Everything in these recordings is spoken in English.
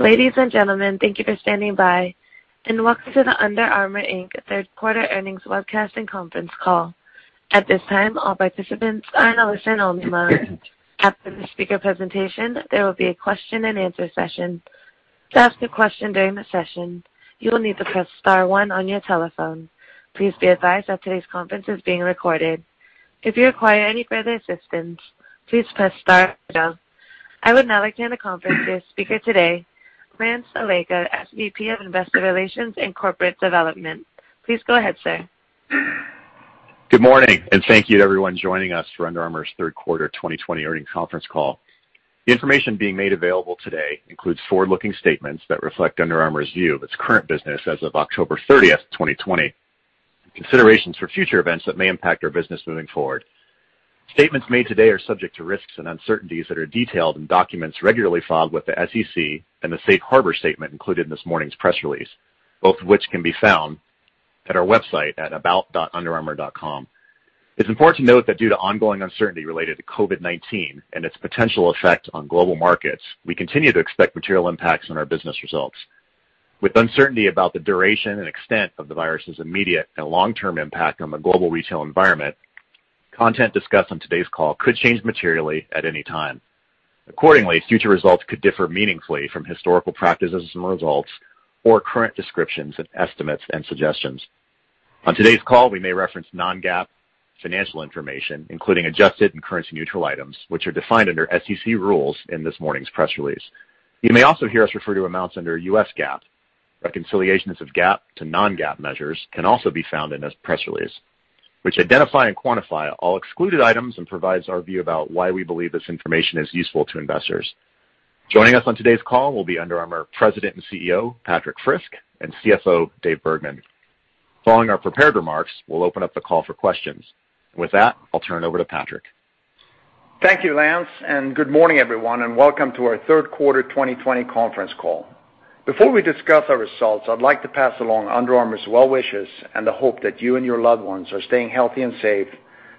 Ladies and gentlemen, thank you for standing by, and welcome to the Under Armour, Inc. Third Quarter Earnings Webcast and Conference Call. At this time, all participants are in a listen-only mode. After the speaker presentation, there will be a question and answer session. To ask a question during the session, you will need to press star one on your telephone. Please be advised that today's conference is being recorded. If you require any further assistance, please press star zero. I would now like to hand the conference to your speaker today, Lance Allega, SVP of Investor Relations and Corporate Development. Please go ahead, sir. Good morning, and thank you to everyone joining us for Under Armour's Third Quarter 2020 Earnings Conference Call. The information being made available today includes forward-looking statements that reflect Under Armour's view of its current business as of October 30th, 2020, and considerations for future events that may impact our business moving forward. Statements made today are subject to risks and uncertainties that are detailed in documents regularly filed with the SEC and the safe harbor statement included in this morning's press release, both of which can be found at our website at about.underarmour.com. It's important to note that due to ongoing uncertainty related to COVID-19 and its potential effect on global markets, we continue to expect material impacts on our business results. With uncertainty about the duration and extent of the virus's immediate and long-term impact on the global retail environment, content discussed on today's call could change materially at any time. Accordingly, future results could differ meaningfully from historical practices and results or current descriptions of estimates and suggestions. On today's call, we may reference non-GAAP financial information, including adjusted and currency-neutral items, which are defined under SEC rules in this morning's press release. You may also hear us refer to amounts under U.S. GAAP. Reconciliations of GAAP to non-GAAP measures can also be found in this press release, which identify and quantify all excluded items and provides our view about why we believe this information is useful to investors. Joining us on today's call will be Under Armour President and CEO, Patrik Frisk, and CFO, Dave Bergman. Following our prepared remarks, we'll open up the call for questions. With that, I'll turn it over to Patrik. Thank you, Lance, and good morning, everyone, and welcome to our third quarter 2020 conference call. Before we discuss our results, I'd like to pass along Under Armour's well wishes and the hope that you and your loved ones are staying healthy and safe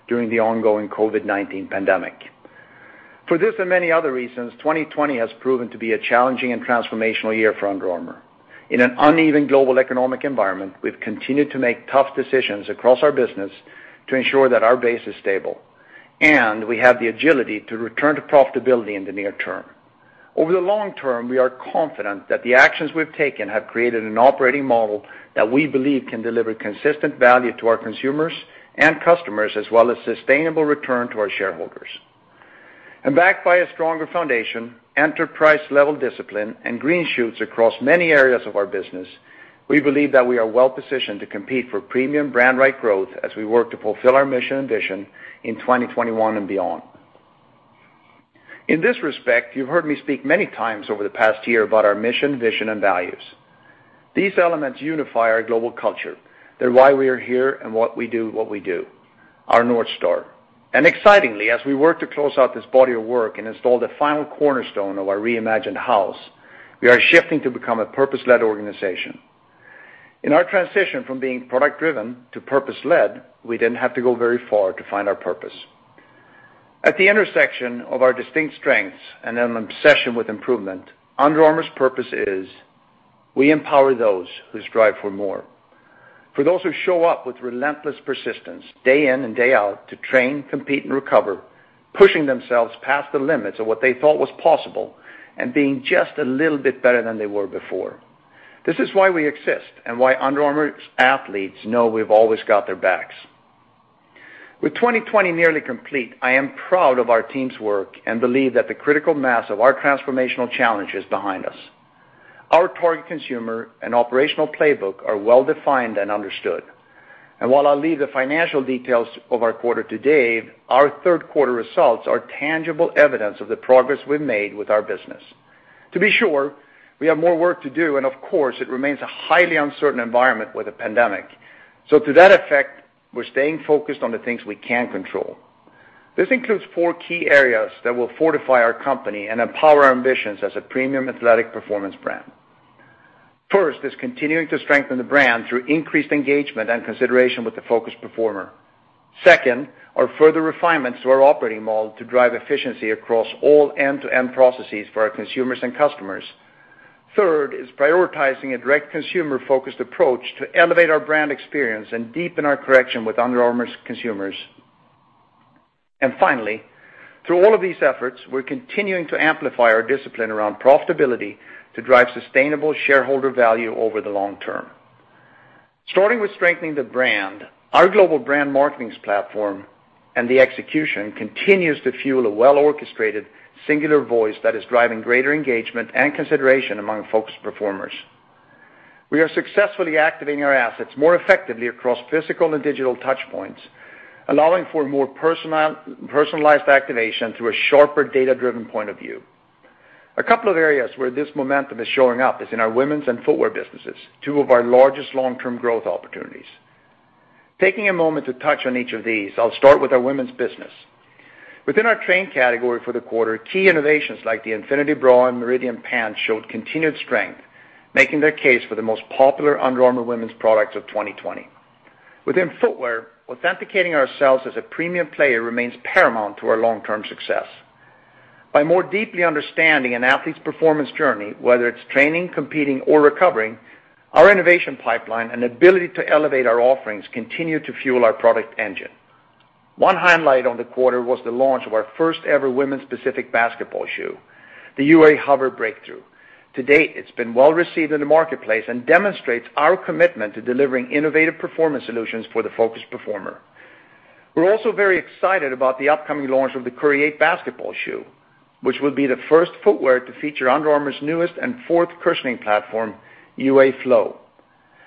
during the ongoing COVID-19 pandemic. For this and many other reasons, 2020 has proven to be a challenging and transformational year for Under Armour. In an uneven global economic environment, we've continued to make tough decisions across our business to ensure that our base is stable, and we have the agility to return to profitability in the near term. Over the long term, we are confident that the actions we've taken have created an operating model that we believe can deliver consistent value to our consumers and customers as well as sustainable return to our shareholders. Backed by a stronger foundation, enterprise-level discipline, and green shoots across many areas of our business, we believe that we are well-positioned to compete for premium brand right growth as we work to fulfill our mission and vision in 2021 and beyond. In this respect, you've heard me speak many times over the past year about our mission, vision, and values. These elements unify our global culture. They're why we are here and what we do, our North Star. Excitingly, as we work to close out this body of work and install the final cornerstone of our reimagined house, we are shifting to become a purpose-led organization. In our transition from being product-driven to purpose-led, we didn't have to go very far to find our purpose. At the intersection of our distinct strengths and an obsession with improvement, Under Armour's purpose is we empower those who strive for more. For those who show up with relentless persistence, day in and day out, to train, compete, and recover, pushing themselves past the limits of what they thought was possible and being just a little bit better than they were before. This is why we exist and why Under Armour's athletes know we've always got their backs. With 2020 nearly complete, I am proud of our team's work and believe that the critical mass of our transformational challenge is behind us. Our target consumer and operational playbook are well-defined and understood. While I'll leave the financial details of our quarter to Dave, our third-quarter results are tangible evidence of the progress we've made with our business. To be sure, we have more work to do, of course, it remains a highly uncertain environment with the pandemic. To that effect, we're staying focused on the things we can control. This includes four key areas that will fortify our company and empower our ambitions as a premium athletic performance brand. First is continuing to strengthen the brand through increased engagement and consideration with the focused performer. Second are further refinements to our operating model to drive efficiency across all end-to-end processes for our consumers and customers. Third is prioritizing a direct consumer-focused approach to elevate our brand experience and deepen our connection with Under Armour's consumers. Finally, through all of these efforts, we're continuing to amplify our discipline around profitability to drive sustainable shareholder value over the long term. Starting with strengthening the brand, our global brand marketing's platform and the execution continues to fuel a well-orchestrated, singular voice that is driving greater engagement and consideration among focused performers. We are successfully activating our assets more effectively across physical and digital touchpoints, allowing for more personalized activation through a sharper data-driven point of view. A couple of areas where this momentum is showing up is in our women's and footwear businesses, two of our largest long-term growth opportunities. Taking a moment to touch on each of these, I'll start with our women's business. Within our train category for the quarter, key innovations like the Infinity Bra and Meridian Pant showed continued strength, making their case for the most popular Under Armour women's products of 2020. Within footwear, authenticating ourselves as a premium player remains paramount to our long-term success. By more deeply understanding an athlete's performance journey, whether it's training, competing, or recovering, our innovation pipeline and ability to elevate our offerings continue to fuel our product engine. One highlight on the quarter was the launch of our first-ever women's specific basketball shoe, the UA HOVR Breakthru. To date, it's been well-received in the marketplace and demonstrates our commitment to delivering innovative performance solutions for the focused performer. We're also very excited about the upcoming launch of the Curry 8 basketball shoe, which will be the first footwear to feature Under Armour's newest and fourth cushioning platform, UA Flow.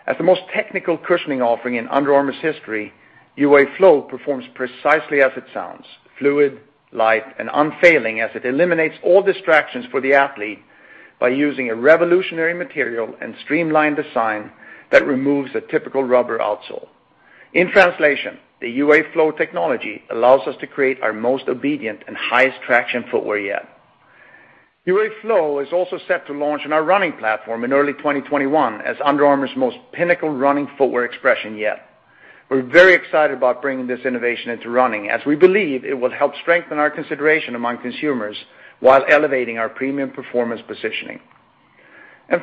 As the most technical cushioning offering in Under Armour's history, UA Flow performs precisely as it sounds. Fluid, light, and unfailing as it eliminates all distractions for the athlete by using a revolutionary material and streamlined design that removes a typical rubber outsole. In translation, the UA Flow technology allows us to create our most obedient and highest traction footwear yet. UA Flow is also set to launch on our running platform in early 2021 as Under Armour's most pinnacle running footwear expression yet. We're very excited about bringing this innovation into running, as we believe it will help strengthen our consideration among consumers while elevating our premium performance positioning.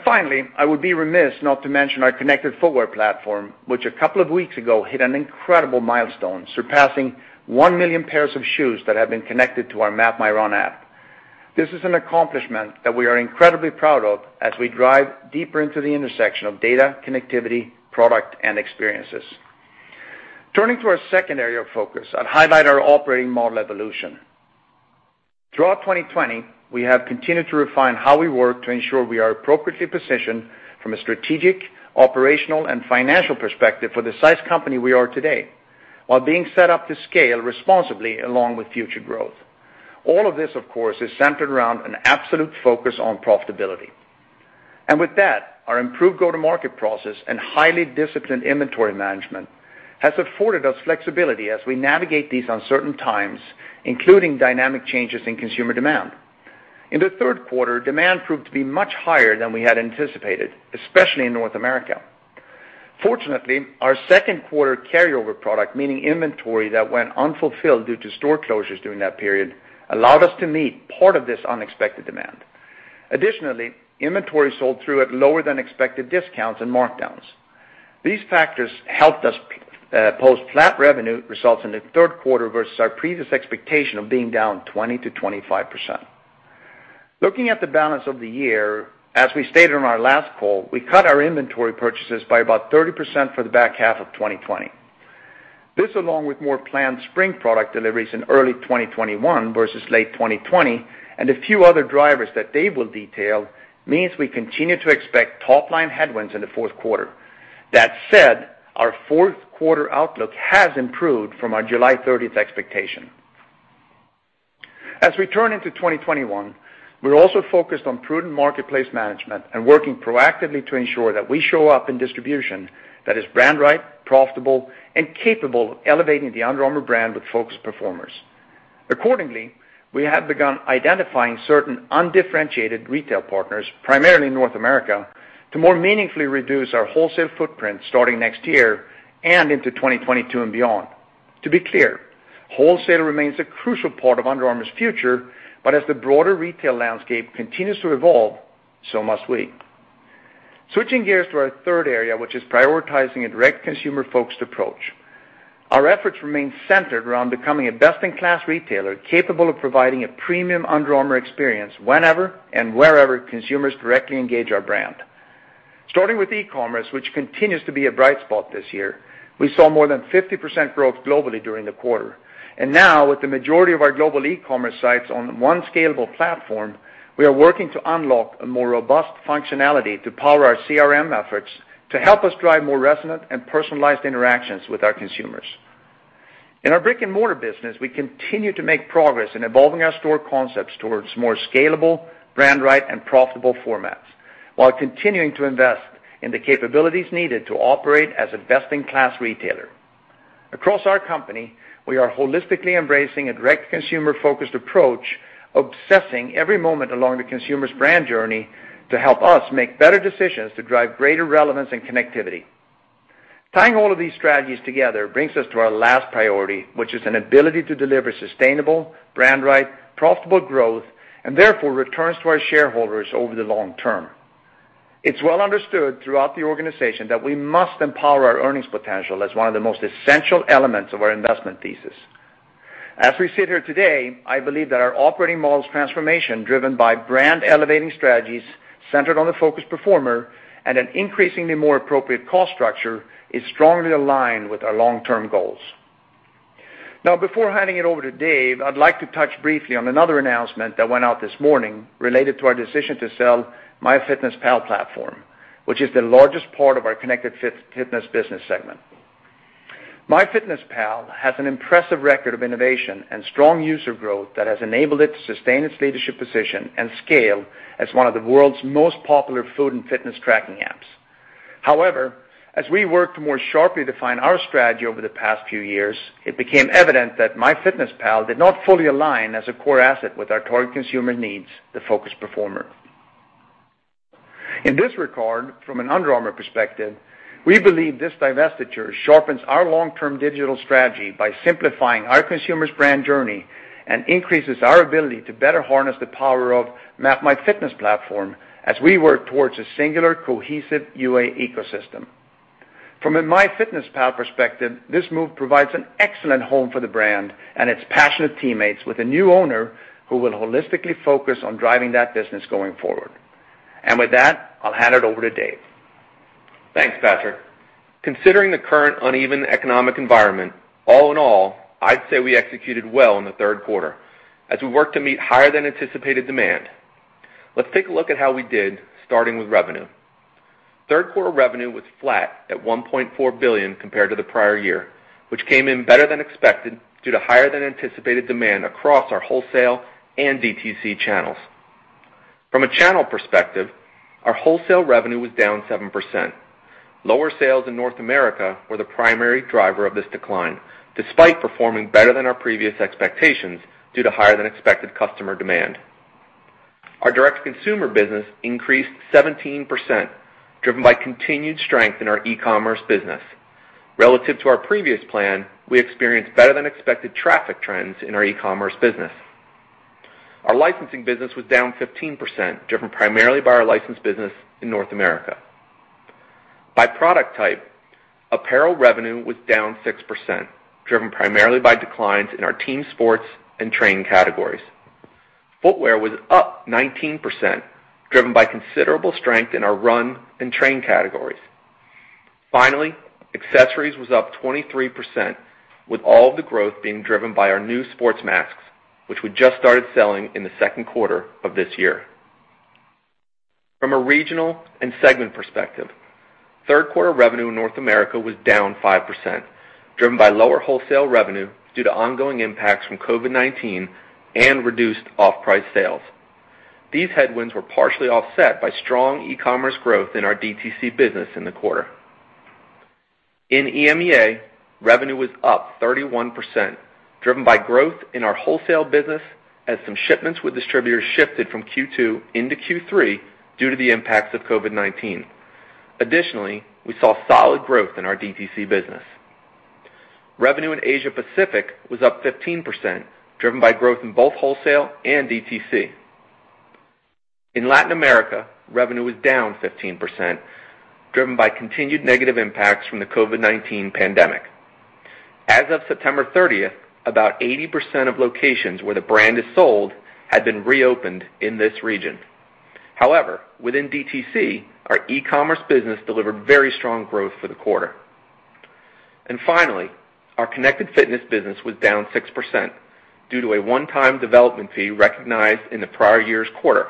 Finally, I would be remiss not to mention our connected footwear platform, which a couple of weeks ago hit an incredible milestone, surpassing 1 million pairs of shoes that have been connected to our MapMyRun app. This is an accomplishment that we are incredibly proud of as we drive deeper into the intersection of data, connectivity, product, and experiences. Turning to our second area of focus, I'd highlight our operating model evolution. Throughout 2020, we have continued to refine how we work to ensure we are appropriately positioned from a strategic, operational, and financial perspective for the size company we are today while being set up to scale responsibly along with future growth. All of this, of course, is centered around an absolute focus on profitability. With that, our improved go-to-market process and highly disciplined inventory management has afforded us flexibility as we navigate these uncertain times, including dynamic changes in consumer demand. In the third quarter, demand proved to be much higher than we had anticipated, especially in North America. Fortunately, our second quarter carryover product, meaning inventory that went unfulfilled due to store closures during that period, allowed us to meet part of this unexpected demand. Additionally, inventory sold through at lower than expected discounts and markdowns. These factors helped us post flat revenue results in the third quarter versus our previous expectation of being down 20%-25%. Looking at the balance of the year, as we stated on our last call, we cut our inventory purchases by about 30% for the back half of 2020. This, along with more planned spring product deliveries in early 2021 versus late 2020, and a few other drivers that Dave will detail, means we continue to expect top-line headwinds in the fourth quarter. That said, our fourth quarter outlook has improved from our July 30th expectation. As we turn into 2021, we're also focused on prudent marketplace management and working proactively to ensure that we show up in distribution that is brand right, profitable, and capable of elevating the Under Armour brand with focused performers. Accordingly, we have begun identifying certain undifferentiated retail partners, primarily in North America, to more meaningfully reduce our wholesale footprint starting next year and into 2022 and beyond. To be clear, wholesale remains a crucial part of Under Armour's future, but as the broader retail landscape continues to evolve, so must we. Switching gears to our third area, which is prioritizing a direct consumer-focused approach. Our efforts remain centered around becoming a best-in-class retailer capable of providing a premium Under Armour experience whenever and wherever consumers directly engage our brand. Starting with e-commerce, which continues to be a bright spot this year. We saw more than 50% growth globally during the quarter. Now, with the majority of our global e-commerce sites on one scalable platform, we are working to unlock a more robust functionality to power our CRM efforts to help us drive more resonant and personalized interactions with our consumers. In our brick-and-mortar business, we continue to make progress in evolving our store concepts towards more scalable, brand right, and profitable formats while continuing to invest in the capabilities needed to operate as a best-in-class retailer. Across our company, we are holistically embracing a direct consumer-focused approach, obsessing every moment along the consumer's brand journey to help us make better decisions to drive greater relevance and connectivity. Tying all of these strategies together brings us to our last priority, which is an ability to deliver sustainable, brand right, profitable growth, and therefore returns to our shareholders over the long term. It's well understood throughout the organization that we must empower our earnings potential as one of the most essential elements of our investment thesis. As we sit here today, I believe that our operating model's transformation, driven by brand elevating strategies centered on the focused performer and an increasingly more appropriate cost structure, is strongly aligned with our long-term goals. Before handing it over to Dave, I'd like to touch briefly on another announcement that went out this morning related to our decision to sell MyFitnessPal platform, which is the largest part of our connected fitness business segment. MyFitnessPal has an impressive record of innovation and strong user growth that has enabled it to sustain its leadership position and scale as one of the world's most popular food and fitness tracking apps. However, as we worked to more sharply define our strategy over the past few years, it became evident that MyFitnessPal did not fully align as a core asset with our target consumer needs, the focused performer. In this regard, from an Under Armour perspective, we believe this divestiture sharpens our long-term digital strategy by simplifying our consumer's brand journey and increases our ability to better harness the power of MapMyFitness platform as we work towards a singular, cohesive UA ecosystem. From a MyFitnessPal perspective, this move provides an excellent home for the brand and its passionate teammates with a new owner who will holistically focus on driving that business going forward. With that, I'll hand it over to Dave. Thanks, Patrik. Considering the current uneven economic environment, all in all, I'd say we executed well in the third quarter as we work to meet higher than anticipated demand. Let's take a look at how we did, starting with revenue. Third quarter revenue was flat at $1.4 billion compared to the prior year, which came in better than expected due to higher than anticipated demand across our wholesale and DTC channels. From a channel perspective, our wholesale revenue was down 7%. Lower sales in North America were the primary driver of this decline, despite performing better than our previous expectations, due to higher than expected customer demand. Our direct consumer business increased 17%, driven by continued strength in our e-commerce business. Relative to our previous plan, we experienced better than expected traffic trends in our e-commerce business. Our licensing business was down 15%, driven primarily by our license business in North America. By product type, apparel revenue was down 6%, driven primarily by declines in our team sports and training categories. Footwear was up 19%, driven by considerable strength in our run and train categories. Accessories was up 23%, with all of the growth being driven by our new sports masks, which we just started selling in the second quarter of this year. From a regional and segment perspective, third quarter revenue in North America was down 5%, driven by lower wholesale revenue due to ongoing impacts from COVID-19 and reduced off-price sales. These headwinds were partially offset by strong e-commerce growth in our DTC business in the quarter. In EMEA, revenue was up 31%, driven by growth in our wholesale business as some shipments with distributors shifted from Q2 into Q3 due to the impacts of COVID-19. Additionally, we saw solid growth in our DTC business. Revenue in Asia Pacific was up 15%, driven by growth in both wholesale and DTC. In Latin America, revenue was down 15%, driven by continued negative impacts from the COVID-19 pandemic. As of September 30th, about 80% of locations where the brand is sold had been reopened in this region. However, within DTC, our e-commerce business delivered very strong growth for the quarter. Finally, our connected fitness business was down 6% due to a one-time development fee recognized in the prior year's quarter,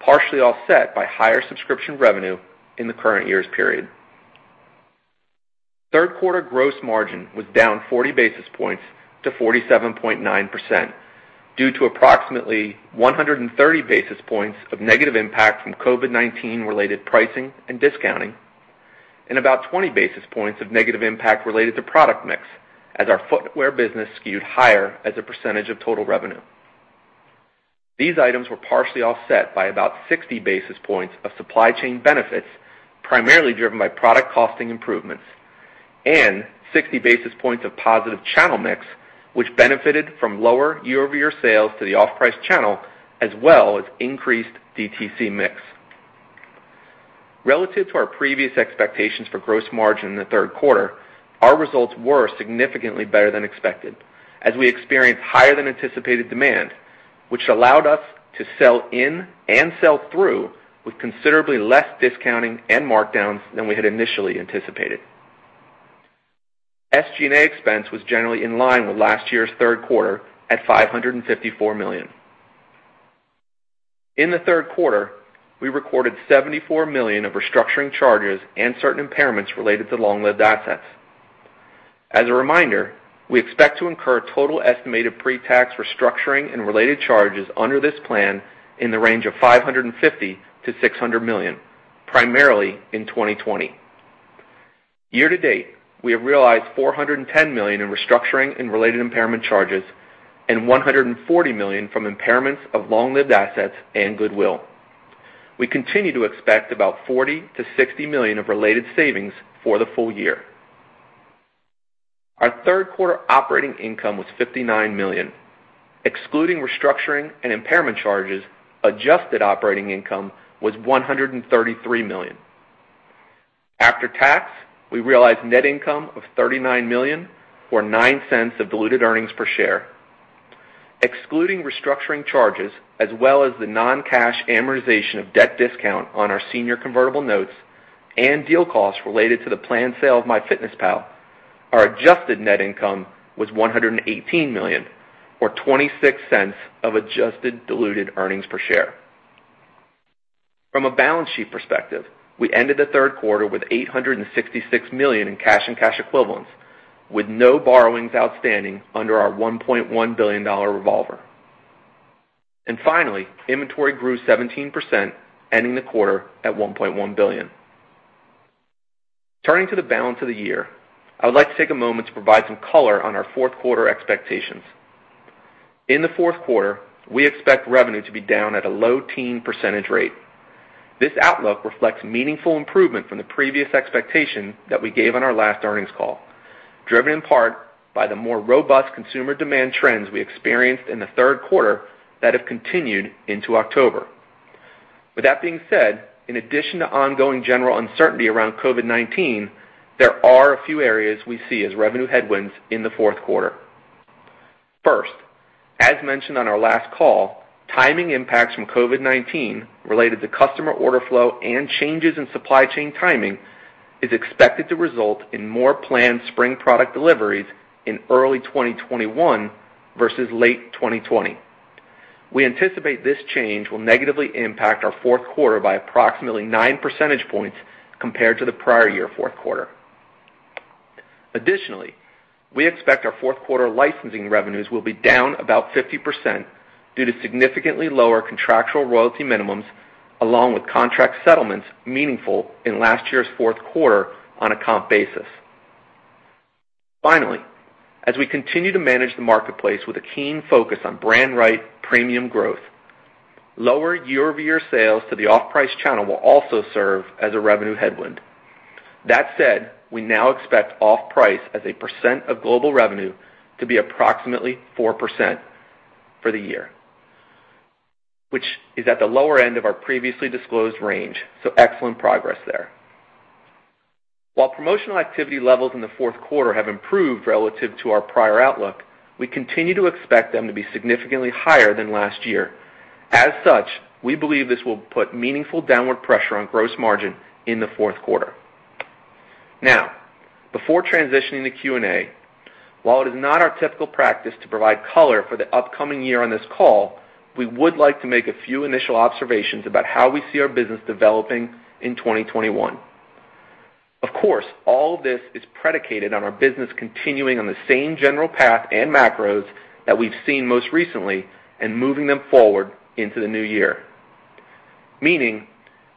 partially offset by higher subscription revenue in the current year's period. Third quarter gross margin was down 40 basis points to 47.9% due to approximately 130 basis points of negative impact from COVID-19 related pricing and discounting, and about 20 basis points of negative impact related to product mix as our footwear business skewed higher as a percentage of total revenue. These items were partially offset by about 60 basis points of supply chain benefits, primarily driven by product costing improvements and 60 basis points of positive channel mix, which benefited from lower year-over-year sales to the off-price channel, as well as increased DTC mix. Relative to our previous expectations for gross margin in the third quarter, our results were significantly better than expected as we experienced higher than anticipated demand, which allowed us to sell in and sell through with considerably less discounting and markdowns than we had initially anticipated. SG&A expense was generally in line with last year's third quarter at $554 million. In the third quarter, we recorded $74 million of restructuring charges and certain impairments related to long-lived assets. As a reminder, we expect to incur total estimated pre-tax restructuring and related charges under this plan in the range of $550 million-$600 million, primarily in 2020. Year to date, we have realized $410 million in restructuring and related impairment charges and $140 million from impairments of long-lived assets and goodwill. We continue to expect about $40 million-$60 million of related savings for the full year. Our third quarter operating income was $59 million. Excluding restructuring and impairment charges, adjusted operating income was $133 million. After tax, we realized net income of $39 million, or $0.09 of diluted earnings per share. Excluding restructuring charges as well as the non-cash amortization of debt discount on our senior convertible notes and deal costs related to the planned sale of MyFitnessPal, our adjusted net income was $118 million, or $0.26 of adjusted diluted earnings per share. From a balance sheet perspective, we ended the third quarter with $866 million in cash and cash equivalents, with no borrowings outstanding under our $1.1 billion revolver. Finally, inventory grew 17%, ending the quarter at $1.1 billion. Turning to the balance of the year, I would like to take a moment to provide some color on our fourth quarter expectations. In the fourth quarter, we expect revenue to be down at a low teen percentage rate. This outlook reflects meaningful improvement from the previous expectation that we gave on our last earnings call, driven in part by the more robust consumer demand trends we experienced in the third quarter that have continued into October. With that being said, in addition to ongoing general uncertainty around COVID-19, there are a few areas we see as revenue headwinds in the fourth quarter. First, as mentioned on our last call, timing impacts from COVID-19 related to customer order flow and changes in supply chain timing is expected to result in more planned spring product deliveries in early 2021 versus late 2020. We anticipate this change will negatively impact our fourth quarter by approximately nine percentage points compared to the prior year fourth quarter. Additionally, we expect our fourth quarter licensing revenues will be down about 50% due to significantly lower contractual royalty minimums, along with contract settlements meaningful in last year's fourth quarter on a comp basis. Finally, as we continue to manage the marketplace with a keen focus on brand right premium growth, lower year-over-year sales to the off-price channel will also serve as a revenue headwind. That said, we now expect off-price as a percent of global revenue to be approximately 4% for the year, which is at the lower end of our previously disclosed range. Excellent progress there. While promotional activity levels in the fourth quarter have improved relative to our prior outlook, we continue to expect them to be significantly higher than last year. We believe this will put meaningful downward pressure on gross margin in the fourth quarter. Now, before transitioning to Q&A, while it is not our typical practice to provide color for the upcoming year on this call, we would like to make a few initial observations about how we see our business developing in 2021. Of course, all this is predicated on our business continuing on the same general path and macros that we've seen most recently and moving them forward into the new year. Meaning,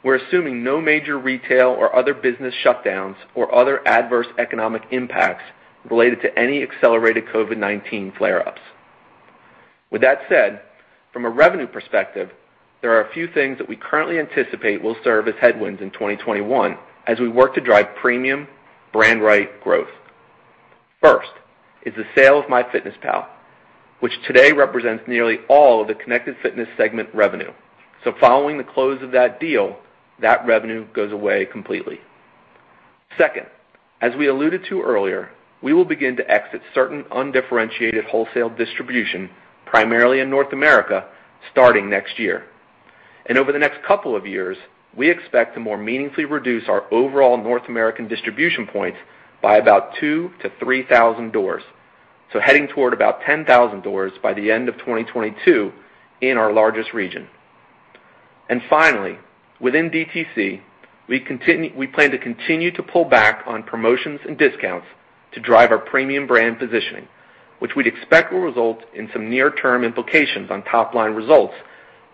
we're assuming no major retail or other business shutdowns or other adverse economic impacts related to any accelerated COVID-19 flare-ups. With that said, from a revenue perspective, there are a few things that we currently anticipate will serve as headwinds in 2021 as we work to drive premium brand right growth. First is the sale of MyFitnessPal, which today represents nearly all of the connected fitness segment revenue. Following the close of that deal, that revenue goes away completely. Second, as we alluded to earlier, we will begin to exit certain undifferentiated wholesale distribution, primarily in North America, starting next year. Over the next couple of years, we expect to more meaningfully reduce our overall North American distribution points by about 2,000 doors-3,000 doors. Heading toward about 10,000 doors by the end of 2022 in our largest region. Finally, within DTC, we plan to continue to pull back on promotions and discounts to drive our premium brand positioning, which we'd expect will result in some near term implications on top-line results,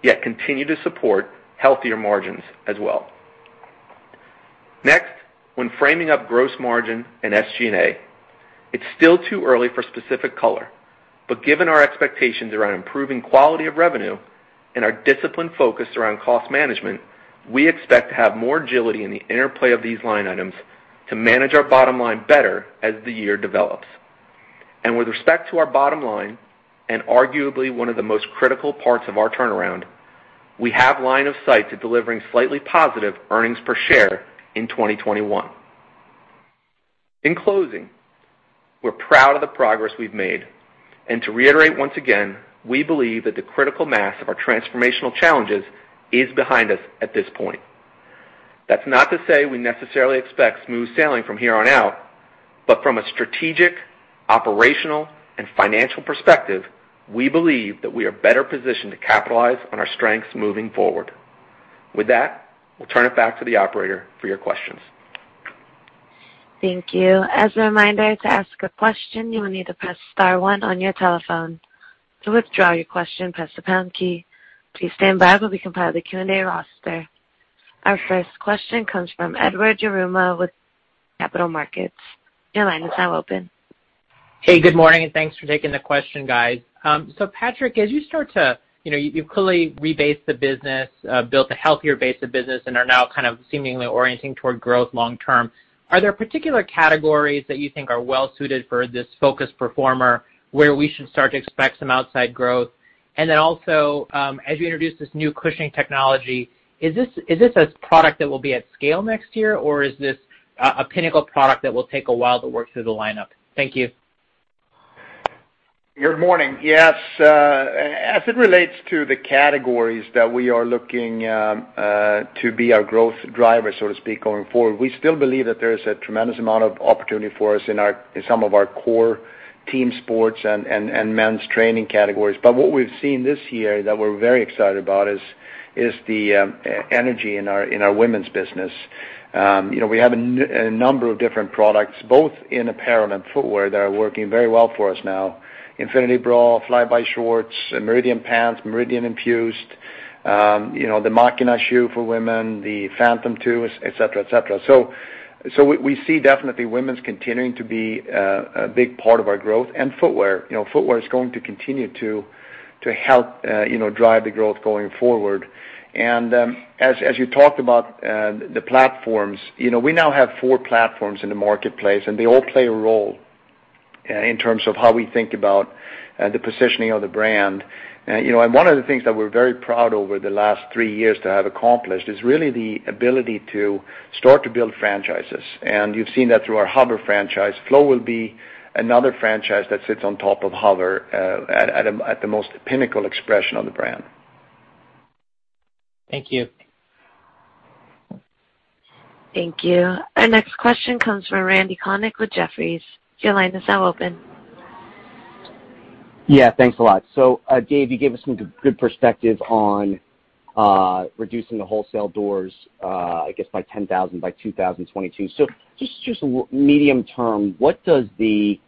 yet continue to support healthier margins as well. Next, when framing up gross margin and SG&A, it's still too early for specific color, but given our expectations around improving quality of revenue and our disciplined focus around cost management, we expect to have more agility in the interplay of these line items to manage our bottom line better as the year develops. With respect to our bottom line, and arguably one of the most critical parts of our turnaround, we have line of sight to delivering slightly positive earnings per share in 2021. In closing, we're proud of the progress we've made, and to reiterate once again, we believe that the critical mass of our transformational challenges is behind us at this point. That's not to say we necessarily expect smooth sailing from here on out, but from a strategic, operational, and financial perspective, we believe that we are better positioned to capitalize on our strengths moving forward. With that, we'll turn it back to the operator for your questions. Thank you. As a reminder, to ask a question, you will need to press star one on your telephone. To withdraw your question, press the pound key. Please stand by while we compile the Q&A roster. Our first question comes from Edward Yruma with Capital Markets. Your line is now open. Hey, good morning, and thanks for taking the question, guys. Patrik, you've clearly rebased the business, built a healthier base of business, and are now kind of seemingly orienting toward growth long term. Are there particular categories that you think are well suited for this focused performer, where we should start to expect some outside growth? As you introduce this new cushioning technology, is this a product that will be at scale next year? Or is this a pinnacle product that will take a while to work through the lineup? Thank you. Good morning. Yes. As it relates to the categories that we are looking to be our growth driver, so to speak, going forward, we still believe that there is a tremendous amount of opportunity for us in some of our core team sports and men's training categories. What we've seen this year that we're very excited about is the energy in our women's business. We have a number of different products, both in apparel and footwear, that are working very well for us now. Infinity Bra, Fly-By shorts, Meridian Pant, Meridian Infuse. The Machina shoe for women, the Phantom 2, et cetera. We see definitely women's continuing to be a big part of our growth and footwear. Footwear is going to continue to help drive the growth going forward. As you talked about the platforms, we now have four platforms in the marketplace, and they all play a role in terms of how we think about the positioning of the brand. One of the things that we're very proud over the last three years to have accomplished is really the ability to start to build franchises. You've seen that through our HOVR franchise. Flow will be another franchise that sits on top of HOVR at the most pinnacle expression of the brand. Thank you. Thank you. Our next question comes from Randy Konik with Jefferies. Yeah, thanks a lot. Dave, you gave us some good perspective on reducing the wholesale doors, I guess by 10,000 by 2022. Just medium term, what should we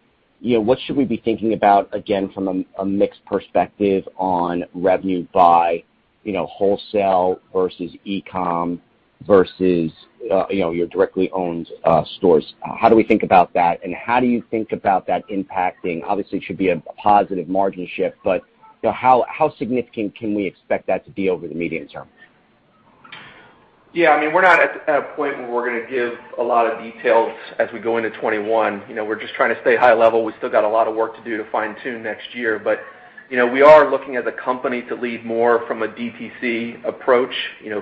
be thinking about, again, from a mixed perspective on revenue by wholesale versus e-com versus your directly owned stores? How do we think about that, and how do you think about that impacting? Obviously, it should be a positive margin shift, but how significant can we expect that to be over the medium term? Yeah. We're not at a point where we're going to give a lot of details as we go into 2021. We're just trying to stay high level. We still got a lot of work to do to fine-tune next year. We are looking as a company to lead more from a DTC approach.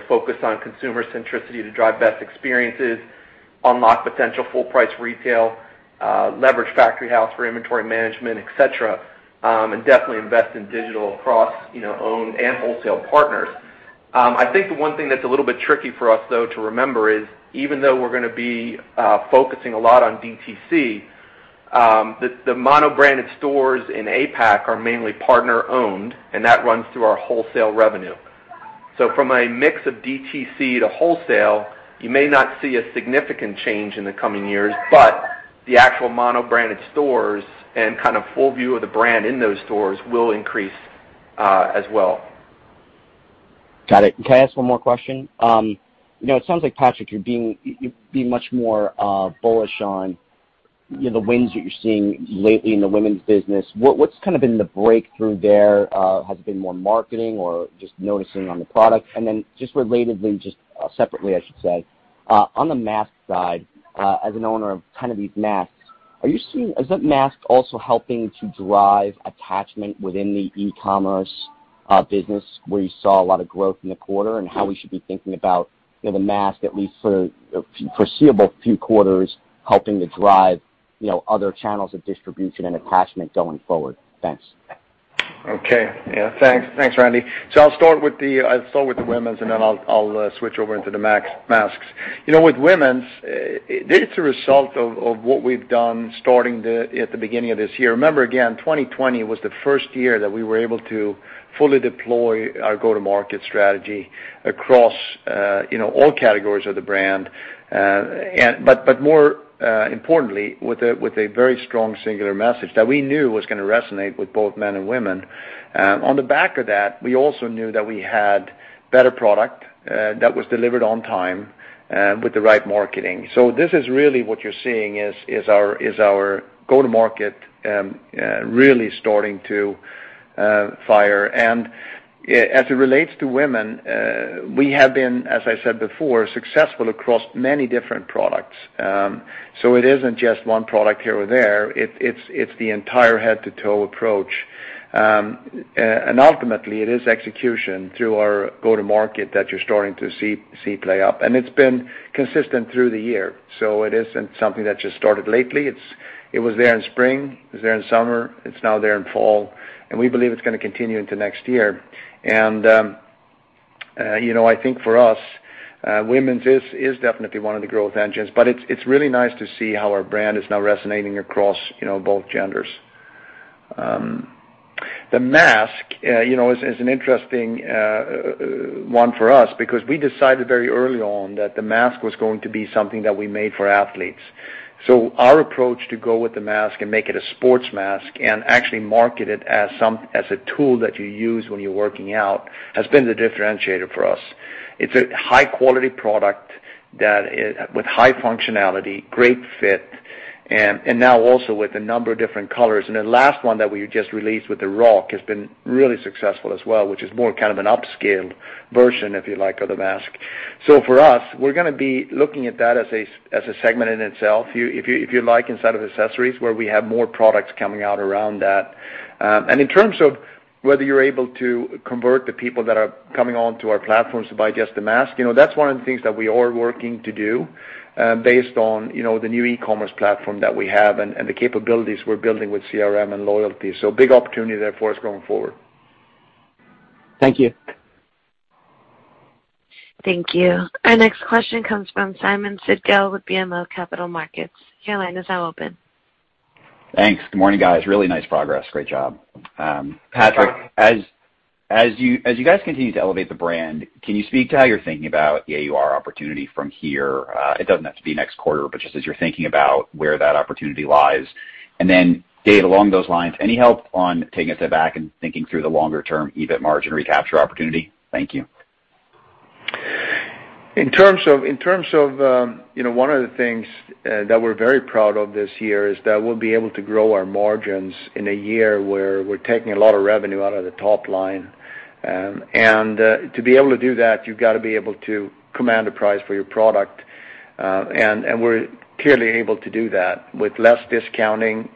Focus on consumer centricity to drive the best experiences, unlock potential full price retail, leverage Factory House for inventory management, et cetera. Definitely invest in digital across owned and wholesale partners. I think the one thing that's a little bit tricky for us, though, to remember is even though we're going to be focusing a lot on DTC, the mono-branded stores in APAC are mainly partner-owned, and that runs through our wholesale revenue. From a mix of DTC to wholesale, you may not see a significant change in the coming years, but the actual mono-branded stores and full view of the brand in those stores will increase as well. Got it. Can I ask one more question? It sounds like, Patrik, you're being much more bullish on the wins that you're seeing lately in the women's business. What's been the breakthrough there? Has it been more marketing or just noticing on the product? Then just relatedly, just separately, I should say. On the mask side, as an owner of one of these masks, isn't mask also helping to drive attachment within the e-commerce business where you saw a lot of growth in the quarter? How we should be thinking about the mask, at least for foreseeable few quarters, helping to drive other channels of distribution and attachment going forward? Thanks. Okay. Yeah. Thanks, Randy. I'll start with the women's, and then I'll switch over into the masks. With women's, it's a result of what we've done starting at the beginning of this year. Remember, again, 2020 was the first year that we were able to fully deploy our go-to-market strategy across all categories of the brand. More importantly, with a very strong, singular message that we knew was going to resonate with both men and women. On the back of that, we also knew that we had better product that was delivered on time with the right marketing. This is really what you're seeing is our go-to-market really starting to fire. As it relates to women, we have been, as I said before, successful across many different products. It isn't just one product here or there. It's the entire head-to-toe approach. Ultimately, it is execution through our go-to-market that you're starting to see play out. It's been consistent through the year. It isn't something that just started lately. It was there in spring. It was there in summer. It's now there in fall. We believe it's going to continue into next year. I think for us, women's is definitely one of the growth engines, but it's really nice to see how our brand is now resonating across both genders. The mask is an interesting one for us because we decided very early on that the mask was going to be something that we made for athletes. Our approach to go with the mask and make it a sports mask and actually market it as a tool that you use when you're working out has been the differentiator for us. It's a high-quality product with high functionality, great fit, and now also with a number of different colors. The last one that we just released with The Rock has been really successful as well, which is more an upscaled version, if you like, of the mask. For us, we're going to be looking at that as a segment in itself, if you like, inside of accessories, where we have more products coming out around that. In terms of whether you're able to convert the people that are coming onto our platforms to buy just the mask, that's one of the things that we are working to do based on the new e-commerce platform that we have and the capabilities we're building with CRM and loyalty. Big opportunity there for us going forward. Thank you. Thank you. Our next question comes from Simeon Siegel with BMO Capital Markets. Your line is now open. Thanks. Good morning, guys. Really nice progress. Great job. Patrik, as you guys continue to elevate the brand, can you speak to how you're thinking about the AUR opportunity from here? It doesn't have to be next quarter, but just as you're thinking about where that opportunity lies. Dave, along those lines, any help on taking a step back and thinking through the longer-term EBIT margin recapture opportunity? Thank you. One of the things that we're very proud of this year is that we'll be able to grow our margins in a year where we're taking a lot of revenue out of the top line. To be able to do that, you've got to be able to command a price for your product. We're clearly able to do that with less discounting,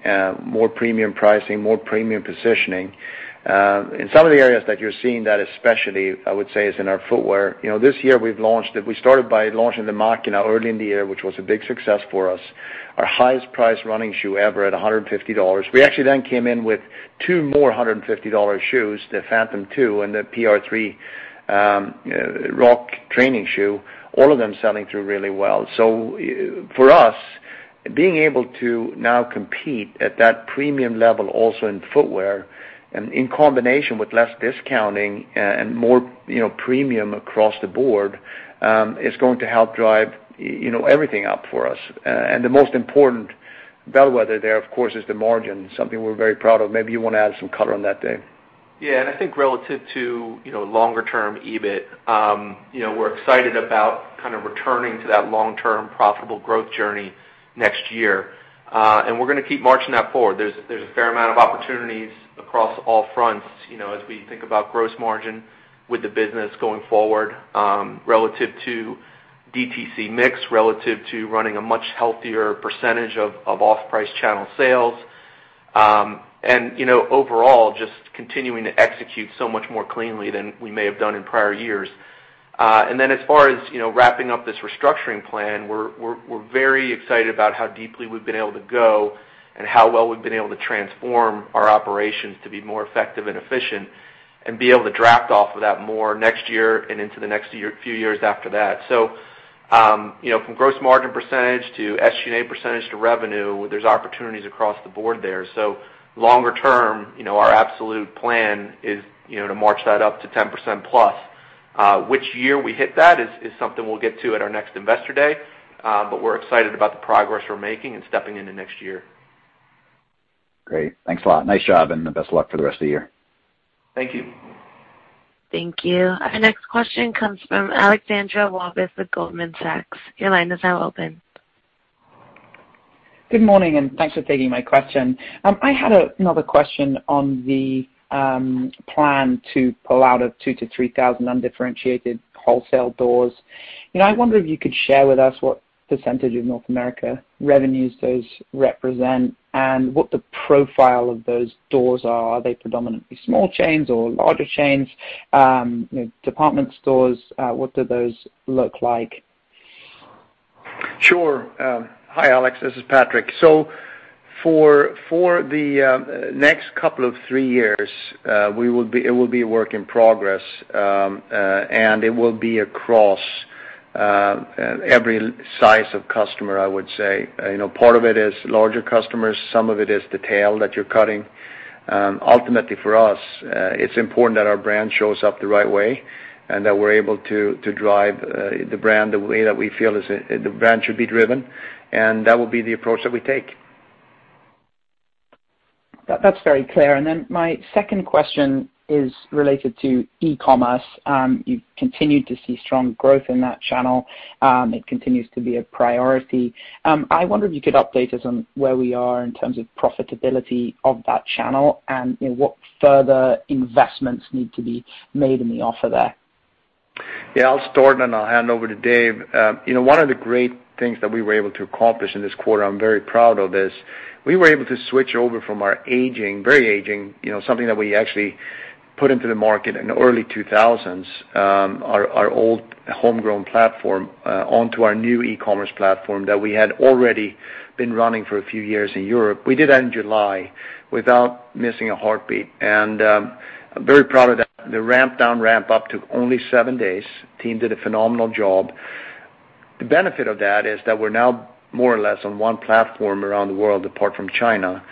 more premium pricing, more premium positioning. In some of the areas that you're seeing that especially, I would say, is in our footwear. This year we started by launching the Machina early in the year, which was a big success for us. Our highest priced running shoe ever at $150. We actually then came in with two more $150 shoes, the Phantom 2 and the PR3 Rock training shoe, all of them selling through really well. For us, being able to now compete at that premium level also in footwear and in combination with less discounting and more premium across the board, is going to help drive everything up for us. The most important bellwether there, of course, is the margin. Something we're very proud of. Maybe you want to add some color on that, Dave. Yeah. I think relative to longer term EBIT, we're excited about returning to that long-term profitable growth journey next year. We're going to keep marching that forward. There's a fair amount of opportunities across all fronts as we think about gross margin with the business going forward, relative to DTC mix, relative to running a much healthier percentage of off-price channel sales. Overall, just continuing to execute so much more cleanly than we may have done in prior years. As far as wrapping up this restructuring plan, we're very excited about how deeply we've been able to go and how well we've been able to transform our operations to be more effective and efficient, and be able to draft off of that more next year and into the next few years after that. From gross margin % to SG&A % to revenue, there's opportunities across the board there. Longer term, our absolute plan is to march that up to 10%+. Which year we hit that is something we'll get to at our next Investor Day. We're excited about the progress we're making and stepping into next year. Great. Thanks a lot. Nice job, and best of luck for the rest of the year. Thank you. Thank you. Our next question comes from Alexandra Walvis with Goldman Sachs. Your line is now open. Good morning, and thanks for taking my question. I had another question on the plan to pull out of 2,000-3,000 undifferentiated wholesale doors. I wonder if you could share with us what percentage of North America revenues those represent and what the profile of those doors are. Are they predominantly small chains or larger chains? Department stores? What do those look like? Sure. Hi, Alex. This is Patrik. For the next couple of three years, it will be a work in progress. It will be across every size of customer, I would say. Part of it is larger customers, some of it is the tail that you're cutting. Ultimately for us, it's important that our brand shows up the right way and that we're able to drive the brand the way that we feel the brand should be driven, and that will be the approach that we take. That's very clear. My second question is related to e-commerce. You've continued to see strong growth in that channel. It continues to be a priority. I wonder if you could update us on where we are in terms of profitability of that channel and what further investments need to be made in the offer there. Yeah, I'll start and then I'll hand over to Dave. One of the great things that we were able to accomplish in this quarter, I'm very proud of, is we were able to switch over from our aging, very aging, something that we actually put into the market in early 2000s, our old homegrown platform, onto our new e-commerce platform that we had already been running for a few years in Europe. We did that in July without missing a heartbeat, and I'm very proud of that. The ramp down, ramp up took only seven days. Team did a phenomenal job. The benefit of that is that we're now more or less on one platform around the world, apart from China.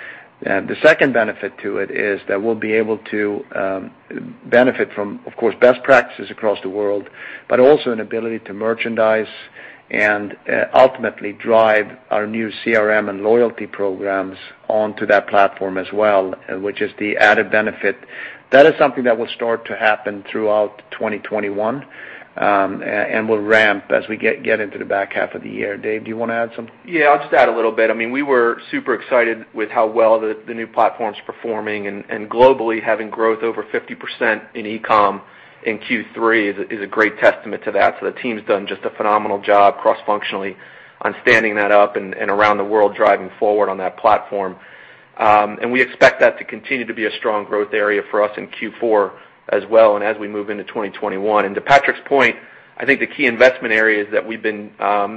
The second benefit to it is that we'll be able to benefit from, of course, best practices across the world, but also an ability to merchandise and ultimately drive our new CRM and loyalty programs onto that platform as well, which is the added benefit. That is something that will start to happen throughout 2021, and will ramp as we get into the back half of the year. Dave, do you want to add something? Yeah, I'll just add a little bit. We were super excited with how well the new platform's performing. Globally, having growth over 50% in e-com in Q3 is a great testament to that. The team's done just a phenomenal job cross-functionally on standing that up and around the world driving forward on that platform. We expect that to continue to be a strong growth area for us in Q4 as well and as we move into 2021. To Patrik's point, I think the key investment areas that we've been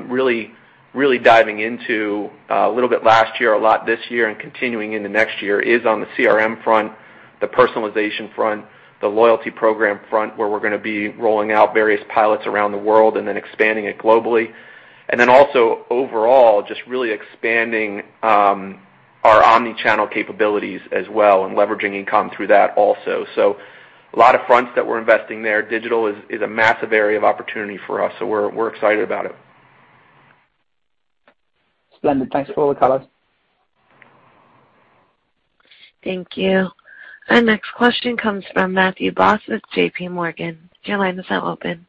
really diving into a little bit last year, a lot this year, and continuing into next year, is on the CRM front, the personalization front, the loyalty program front, where we're going to be rolling out various pilots around the world and then expanding it globally. Also overall, just really expanding our omni-channel capabilities as well and leveraging e-com through that also. A lot of fronts that we're investing there. Digital is a massive area of opportunity for us, so we're excited about it. Splendid. Thanks for all the color. Thank you. Our next question comes from Matthew Boss with JP Morgan. Your line is now open.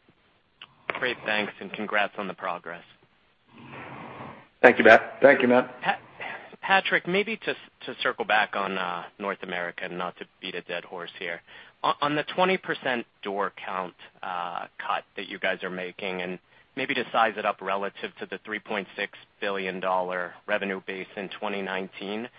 Great. Thanks. Congrats on the progress. Thank you, Matt. Thank you, Matt. Patrik, maybe to circle back on North America, not to beat a dead horse here. On the 20% door count cut that you guys are making, and maybe to size it up relative to the $3.6 billion revenue base in 2019,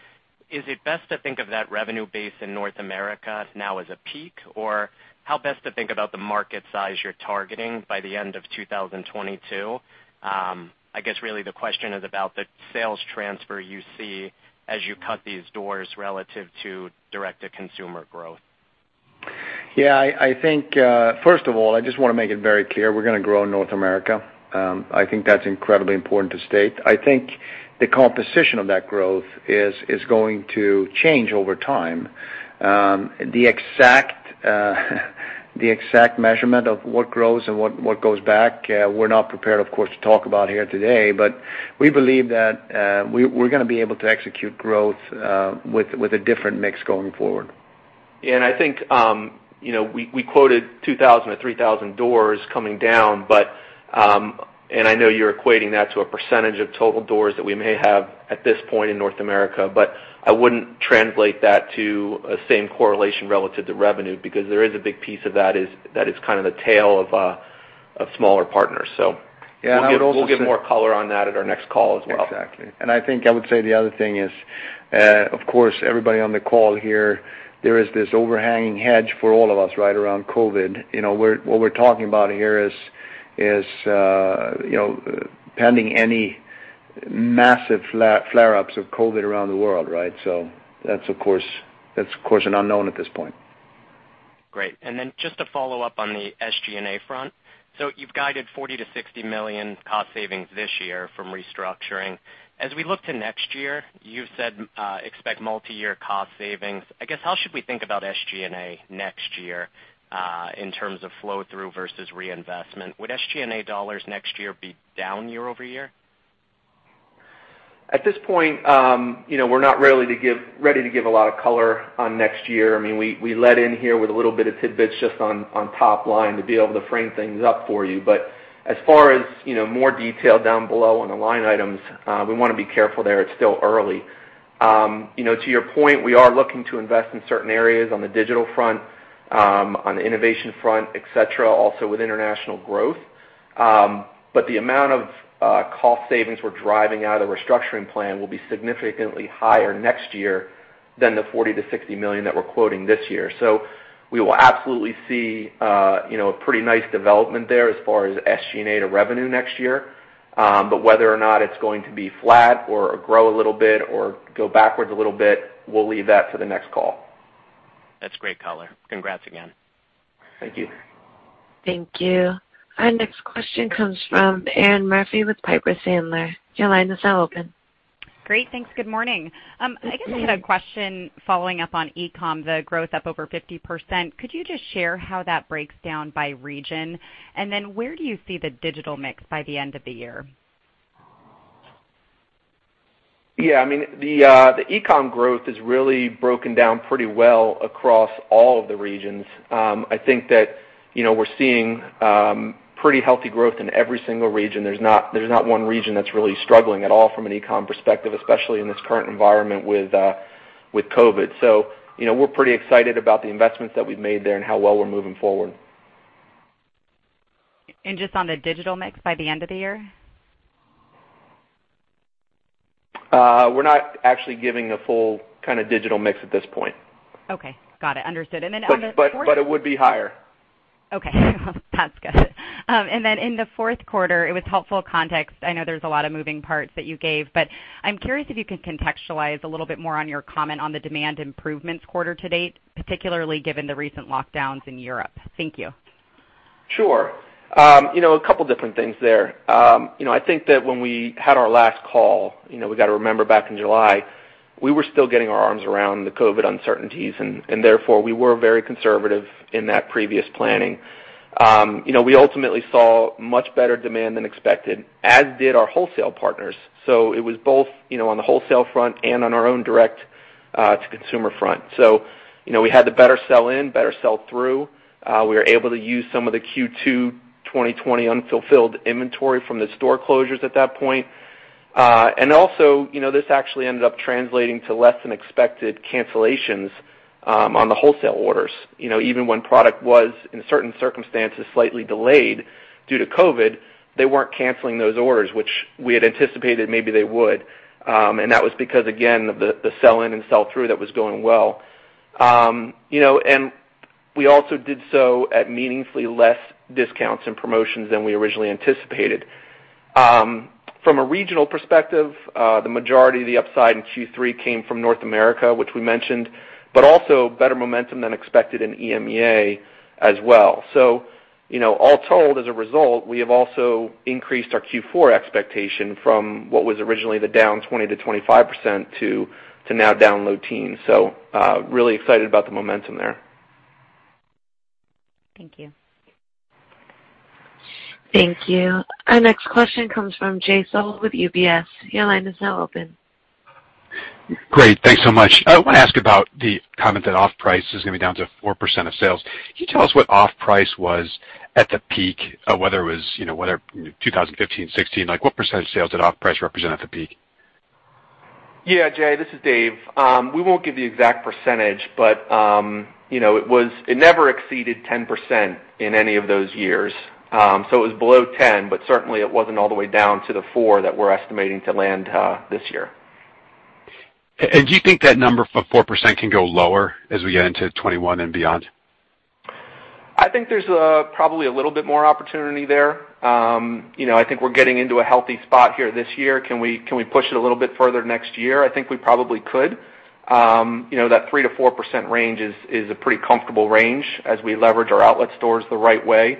is it best to think of that revenue base in North America now as a peak? Or how best to think about the market size you're targeting by the end of 2022? I guess really the question is about the sales transfer you see as you cut these doors relative to direct-to-consumer growth. Yeah. First of all, I just want to make it very clear, we're going to grow in North America. I think that's incredibly important to state. I think the composition of that growth is going to change over time. The exact measurement of what grows and what goes back, we're not prepared, of course, to talk about here today. We believe that we're going to be able to execute growth with a different mix going forward. Yeah, I think we quoted 2,000 to 3,000 doors coming down, and I know you're equating that to a percentage of total doors that we may have at this point in North America, but I wouldn't translate that to a same correlation relative to revenue because there is a big piece of that is kind of the tail of smaller partners. Yeah. We'll give more color on that at our next call as well. Exactly. I think I would say the other thing is, of course, everybody on the call here, there is this overhanging hedge for all of us right around COVID. What we're talking about here is pending any massive flare-ups of COVID around the world. That's of course an unknown at this point. Great. Then just to follow up on the SG&A front. You've guided $40 million-$60 million cost savings this year from restructuring. As we look to next year, you've said expect multi-year cost savings. I guess, how should we think about SG&A next year in terms of flow through versus reinvestment? Would SG&A dollars next year be down year-over-year? At this point, we're not ready to give a lot of color on next year. We led in here with a little bit of tidbits just on top line to be able to frame things up for you. As far as more detail down below on the line items, we want to be careful there. It's still early. To your point, we are looking to invest in certain areas on the digital front, on the innovation front, et cetera, also with international growth. The amount of cost savings we're driving out of the restructuring plan will be significantly higher next year than the $40 million-$60 million that we're quoting this year. We will absolutely see a pretty nice development there as far as SG&A to revenue next year. Whether or not it's going to be flat or grow a little bit or go backwards a little bit, we'll leave that for the next call. That's great color. Congrats again. Thank you. Thank you. Our next question comes from Erinn Murphy with Piper Sandler. Great. Thanks. Good morning. I guess I had a question following up on e-com, the growth up over 50%. Could you just share how that breaks down by region? Where do you see the digital mix by the end of the year? The e-com growth is really broken down pretty well across all of the regions. I think that we're seeing pretty healthy growth in every single region. There's not one region that's really struggling at all from an e-com perspective, especially in this current environment with COVID. We're pretty excited about the investments that we've made there and how well we're moving forward. Just on the digital mix by the end of the year? We're not actually giving a full digital mix at this point. Okay. Got it. Understood. It would be higher. Okay. That's good. In the fourth quarter, it was helpful context. I know there's a lot of moving parts that you gave. I'm curious if you could contextualize a little bit more on your comment on the demand improvements quarter to date, particularly given the recent lockdowns in Europe. Thank you. Sure. A couple different things there. I think that when we had our last call, we got to remember back in July, we were still getting our arms around the COVID uncertainties, and therefore, we were very conservative in that previous planning. We ultimately saw much better demand than expected, as did our wholesale partners. It was both on the wholesale front and on our own direct-to-consumer front. We had the better sell in, better sell through. We were able to use some of the Q2 2020 unfulfilled inventory from the store closures at that point. Also, this actually ended up translating to less than expected cancellations on the wholesale orders. Even when product was, in certain circumstances, slightly delayed due to COVID, they weren't canceling those orders, which we had anticipated maybe they would. That was because, again, the sell in and sell through that was going well. We also did so at meaningfully less discounts and promotions than we originally anticipated. From a regional perspective, the majority of the upside in Q3 came from North America, which we mentioned, but also better momentum than expected in EMEA as well. All told, as a result, we have also increased our Q4 expectation from what was originally the down 20%-25% to now down low teens. Really excited about the momentum there. Thank you. Thank you. Our next question comes from Jay Sole with UBS. Your line is now open. Great. Thanks so much. I want to ask about the comment that off-price is going to be down to 4% of sales. Can you tell us what off-price was at the peak, whether it was 2015, 2016, what percent of sales did off-price represent at the peak? Yeah, Jay, this is Dave. We won't give the exact percentage, but it never exceeded 10% in any of those years. It was below 10%, but certainly it wasn't all the way down to the 4% that we're estimating to land this year. Do you think that number of 4% can go lower as we get into 2021 and beyond? I think there's probably a little bit more opportunity there. I think we're getting into a healthy spot here this year. Can we push it a little bit further next year? I think we probably could. That 3%-4% range is a pretty comfortable range as we leverage our outlet stores the right way.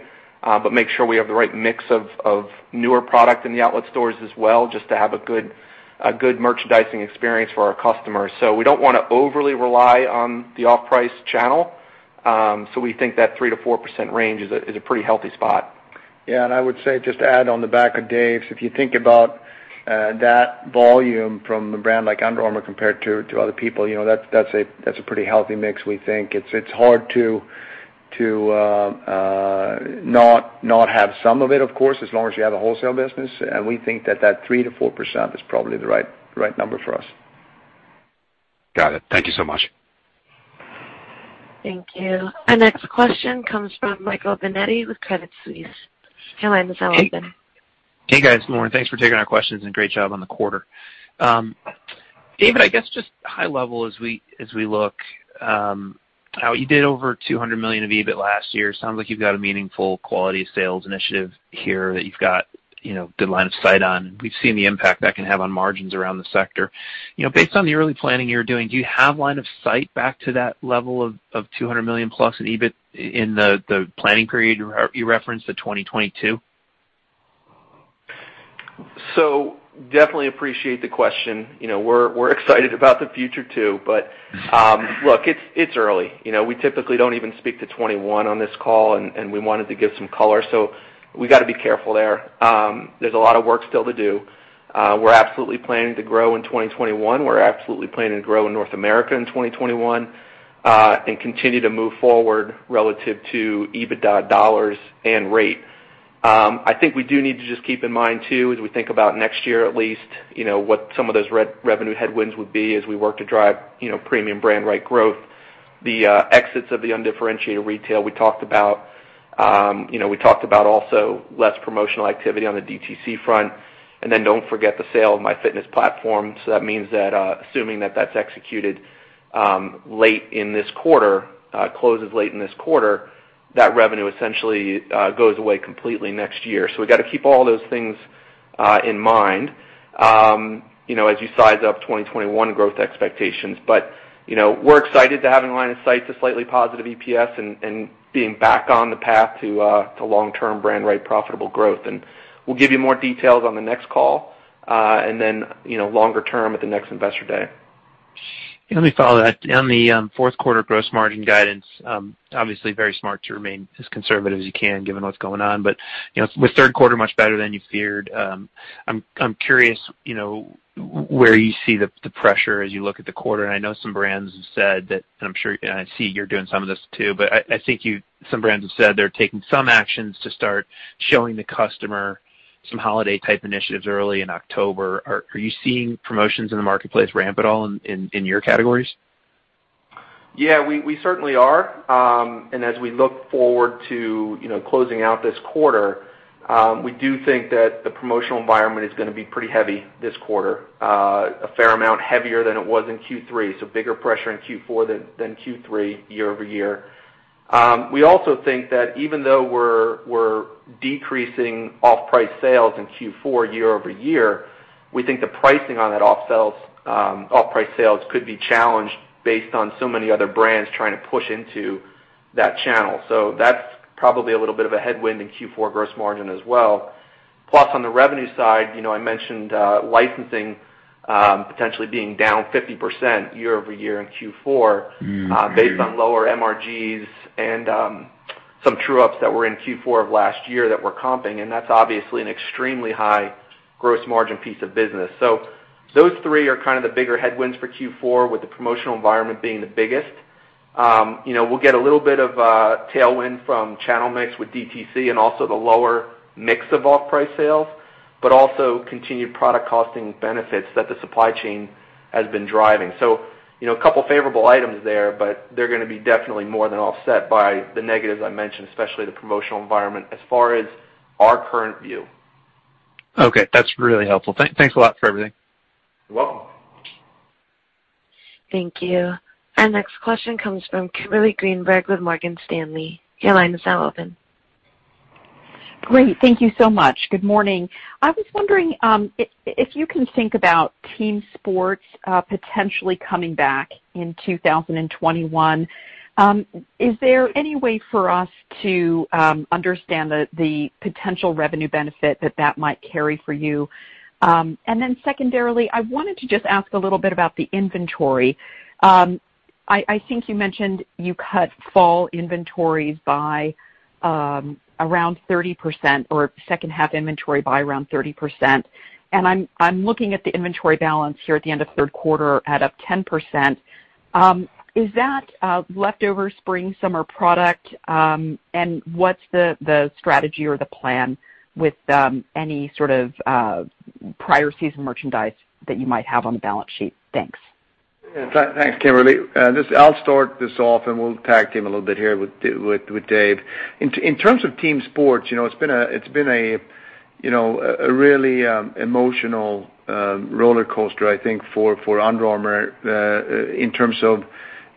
Make sure we have the right mix of newer product in the outlet stores as well, just to have a good merchandising experience for our customers. We don't want to overly rely on the off-price channel. We think that 3%-4% range is a pretty healthy spot. Yeah, I would say, just to add on the back of Dave's, if you think about that volume from a brand like Under Armour compared to other people, that's a pretty healthy mix, we think. It's hard to not have some of it, of course, as long as you have a wholesale business. We think that that 3% to 4% is probably the right number for us. Got it. Thank you so much. Thank you. Our next question comes from Michael Binetti with Credit Suisse. Hey, guys. Morning. Thanks for taking our questions and great job on the quarter. Dave, I guess just high level as we look, you did over $200 million of EBIT last year. Sounds like you've got a meaningful quality sales initiative here that you've got good line of sight on. We've seen the impact that can have on margins around the sector. Based on the early planning you're doing, do you have line of sight back to that level of $200 million plus in EBIT in the planning period you referenced at 2022? Definitely appreciate the question. We're excited about the future too. Look, it's early. We typically don't even speak to 2021 on this call, and we wanted to give some color. We got to be careful there. There's a lot of work still to do. We're absolutely planning to grow in 2021. We're absolutely planning to grow in North America in 2021, and continue to move forward relative to EBITDA dollars and rate. I think we do need to just keep in mind too, as we think about next year, at least, what some of those revenue headwinds would be as we work to drive premium brand right growth. The exits of the undifferentiated retail we talked about. We talked about also less promotional activity on the DTC front, and then don't forget the sale of MyFitnessPal. That means that assuming that that's executed late in this quarter, closes late in this quarter, that revenue essentially goes away completely next year. We got to keep all those things in mind as you size up 2021 growth expectations. We're excited to have in line of sight to slightly positive EPS and being back on the path to long-term brand right profitable growth. We'll give you more details on the next call, and then longer term at the next investor day. Let me follow that. On the fourth quarter gross margin guidance, obviously very smart to remain as conservative as you can given what's going on, but with third quarter much better than you feared, I'm curious where you see the pressure as you look at the quarter, and I know some brands have said that, and I see you're doing some of this too, but I think some brands have said they're taking some actions to start showing the customer some holiday type initiatives early in October. Are you seeing promotions in the marketplace ramp at all in your categories? Yeah, we certainly are. As we look forward to closing out this quarter, we do think that the promotional environment is going to be pretty heavy this quarter. A fair amount heavier than it was in Q3, so bigger pressure in Q4 than Q3 year-over-year. We also think that even though we're decreasing off-price sales in Q4 year-over-year, we think the pricing on that off-price sales could be challenged based on so many other brands trying to push into that channel. That's probably a little bit of a headwind in Q4 gross margin as well. Plus, on the revenue side, I mentioned licensing potentially being down 50% year-over-year in Q4 based on lower MRGs and some true-ups that were in Q4 of last year that we're comping, and that's obviously an extremely high gross margin piece of business. Those three are kind of the bigger headwinds for Q4 with the promotional environment being the biggest. We'll get a little bit of a tailwind from channel mix with DTC and also the lower mix of off-price sales, but also continued product costing benefits that the supply chain has been driving. A couple of favorable items there, but they're going to be definitely more than offset by the negatives I mentioned, especially the promotional environment as far as our current view. Okay, that's really helpful. Thanks a lot for everything. You're welcome. Thank you. Our next question comes from Kimberly Greenberger with Morgan Stanley. Your line is now open. Great. Thank you so much. Good morning. I was wondering if you can think about team sports potentially coming back in 2021. Is there any way for us to understand the potential revenue benefit that that might carry for you? Secondarily, I wanted to just ask a little bit about the inventory. I think you mentioned you cut fall inventories by around 30%, or second half inventory by around 30%. I'm looking at the inventory balance here at the end of third quarter, at up 10%. Is that leftover spring, summer product? What's the strategy or the plan with any sort of prior season merchandise that you might have on the balance sheet? Thanks. Thanks, Kimberly. I'll start this off, and we'll tag-team a little bit here with Dave. In terms of team sports, it's been a really emotional roller coaster, I think, for Under Armour in terms of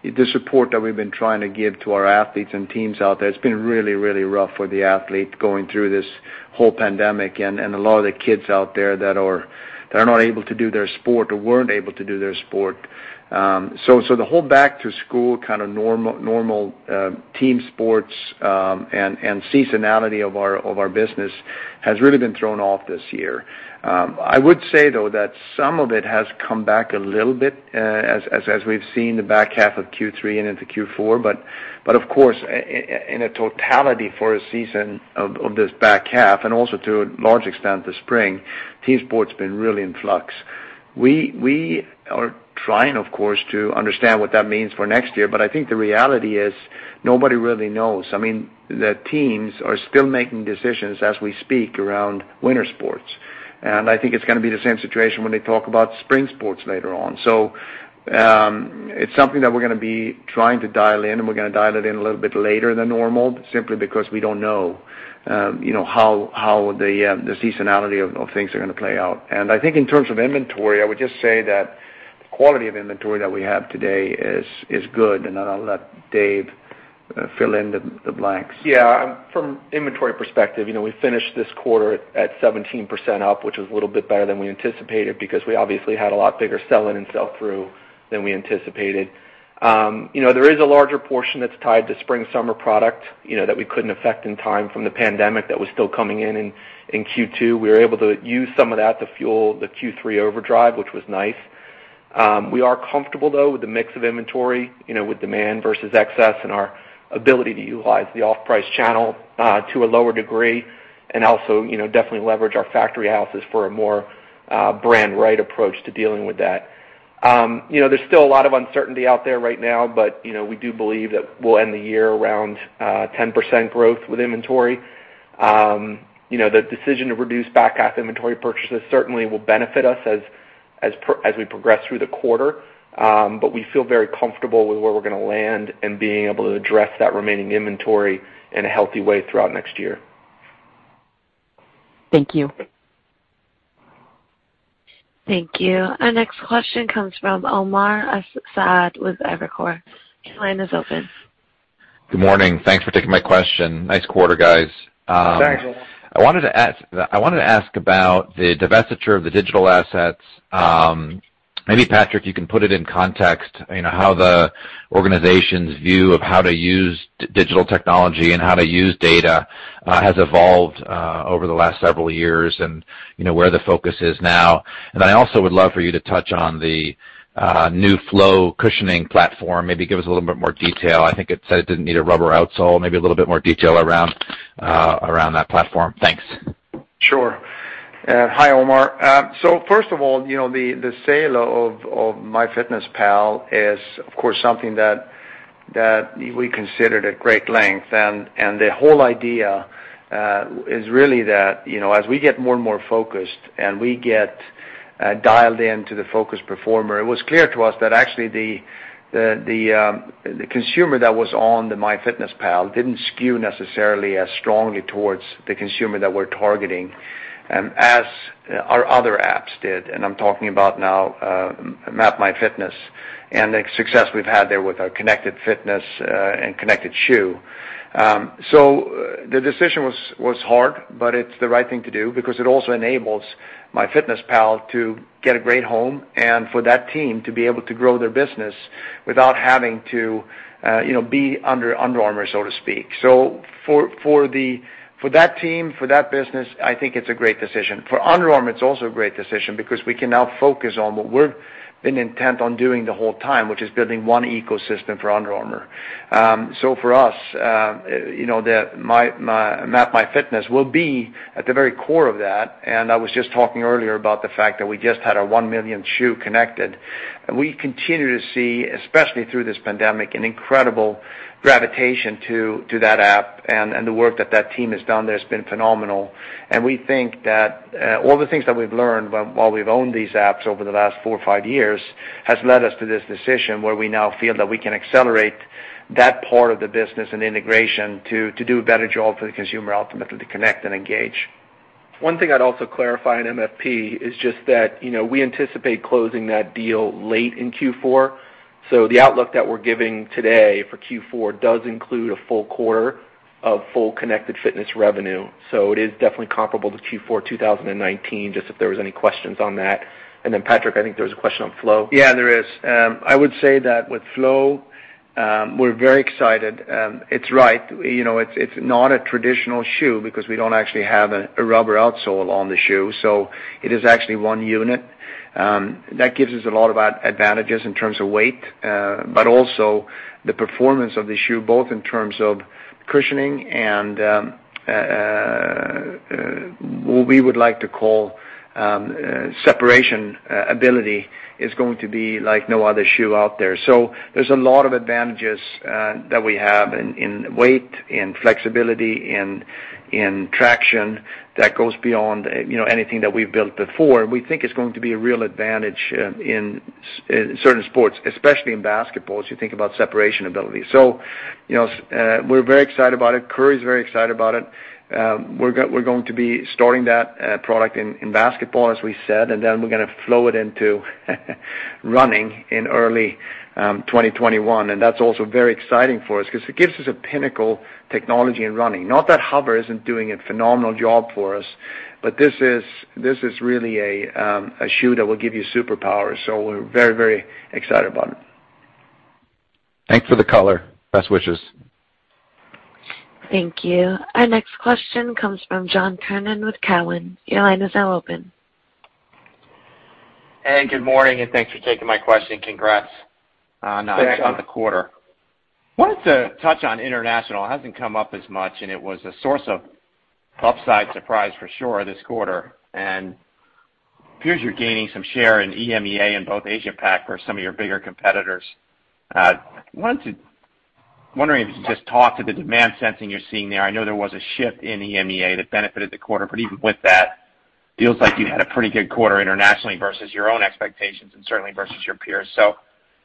the support that we've been trying to give to our athletes and teams out there. It's been really rough for the athlete going through this whole pandemic, and a lot of the kids out there that are not able to do their sport or weren't able to do their sport. The whole back to school kind of normal team sports, and seasonality of our business has really been thrown off this year. I would say, though, that some of it has come back a little bit, as we've seen the back half of Q3 and into Q4. Of course, in a totality for a season of this back half and also to a large extent this spring, team sport's been really in flux. We are trying, of course, to understand what that means for next year, but I think the reality is nobody really knows. I mean, the teams are still making decisions as we speak around winter sports. I think it's going to be the same situation when they talk about spring sports later on. It's something that we're going to be trying to dial in, and we're going to dial it in a little bit later than normal, simply because we don't know how the seasonality of things are going to play out. I think in terms of inventory, I would just say that the quality of inventory that we have today is good, and then I'll let Dave fill in the blanks. Yeah. From inventory perspective, we finished this quarter at 17% up, which was a little bit better than we anticipated because we obviously had a lot bigger sell-in and sell-through than we anticipated. There is a larger portion that's tied to spring/summer product that we couldn't affect in time from the pandemic that was still coming in in Q2. We were able to use some of that to fuel the Q3 overdrive, which was nice. We are comfortable, though, with the mix of inventory with demand versus excess and our ability to utilize the off-price channel, to a lower degree. Also definitely leverage our Factory Houses for a more brand-right approach to dealing with that. There's still a lot of uncertainty out there right now, we do believe that we'll end the year around 10% growth with inventory. The decision to reduce back half inventory purchases certainly will benefit us as we progress through the quarter. We feel very comfortable with where we're going to land and being able to address that remaining inventory in a healthy way throughout next year. Thank you. Thank you. Our next question comes from Omar Saad with Evercore. Your line is open. Good morning. Thanks for taking my question. Nice quarter, guys. Thanks, Omar. I wanted to ask about the divestiture of the digital assets. Maybe Patrik, you can put it in context, how the organization's view of how to use digital technology and how to use data has evolved over the last several years and where the focus is now. I also would love for you to touch on the new UA Flow cushioning platform. Maybe give us a little bit more detail. I think it said it didn't need a rubber outsole, maybe a little bit more detail around that platform. Thanks. Sure. Hi, Omar. First of all, the sale of MyFitnessPal is, of course, something that we considered at great length. The whole idea is really that as we get more and more focused and we get dialed in to the focused performer, it was clear to us that actually the consumer that was on the MyFitnessPal didn't skew necessarily as strongly towards the consumer that we're targeting as our other apps did. I'm talking about now MapMyFitness and the success we've had there with our connected fitness and connected shoe. The decision was hard, but it's the right thing to do because it also enables MyFitnessPal to get a great home and for that team to be able to grow their business without having to be under Under Armour, so to speak. For that team, for that business, I think it's a great decision. For Under Armour, it's also a great decision because we can now focus on what we've been intent on doing the whole time, which is building one ecosystem for Under Armour. For us, MapMyFitness will be at the very core of that, and I was just talking earlier about the fact that we just had our 1 millionth shoe connected. We continue to see, especially through this pandemic, an incredible gravitation to that app, and the work that that team has done there has been phenomenal. We think that all the things that we've learned while we've owned these apps over the last four or five years has led us to this decision where we now feel that we can accelerate that part of the business and integration to do a better job for the consumer ultimately to connect and engage. One thing I'd also clarify in MFP is just that we anticipate closing that deal late in Q4. The outlook that we're giving today for Q4 does include a full quarter of full connected fitness revenue. It is definitely comparable to Q4 2019, just if there was any questions on that. Patrik, I think there was a question on Flow. Yeah, there is. I would say that with Flow. We're very excited. It's right. It's not a traditional shoe because we don't actually have a rubber outsole on the shoe, so it is actually one unit. That gives us a lot of advantages in terms of weight, but also the performance of the shoe, both in terms of cushioning and what we would like to call separation ability, is going to be like no other shoe out there. There's a lot of advantages that we have in weight, in flexibility, in traction that goes beyond anything that we've built before. We think it's going to be a real advantage in certain sports, especially in basketball, as you think about separation ability. We're very excited about it. Curry's very excited about it. We're going to be starting that product in basketball, as we said, and then we're going to flow it into running in early 2021. That's also very exciting for us because it gives us a pinnacle technology in running. Not that HOVR isn't doing a phenomenal job for us, but this is really a shoe that will give you superpowers, so we're very excited about it. Thanks for the color. Best wishes. Thank you. Our next question comes from John Kernan with Cowen. Your line is now open. Hey, good morning, thanks for taking my question. Congrats on the quarter. Thanks. Wanted to touch on international. It hasn't come up as much, and it was a source of upside surprise for sure this quarter. Appears you're gaining some share in EMEA in both Asia-Pac or some of your bigger competitors. Wondering if you could just talk to the demand sensing you're seeing there. I know there was a shift in EMEA that benefited the quarter, but even with that, feels like you had a pretty good quarter internationally versus your own expectations and certainly versus your peers.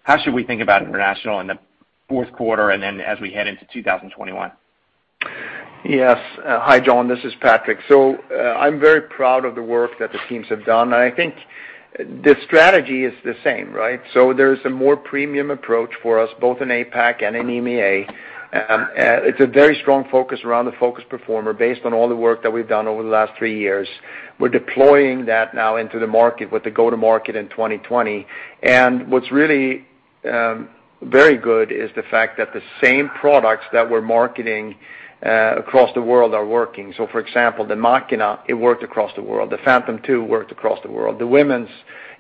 How should we think about international in the fourth quarter and then as we head into 2021? Yes. Hi, John. This is Patrik. I'm very proud of the work that the teams have done, and I think the strategy is the same, right? There's a more premium approach for us, both in APAC and in EMEA. It's a very strong focus around the focus performer based on all the work that we've done over the last three years. We're deploying that now into the market with the go-to-market in 2020. What's really very good is the fact that the same products that we're marketing across the world are working. For example, the Machina, it worked across the world. The Phantom 2 worked across the world. The women's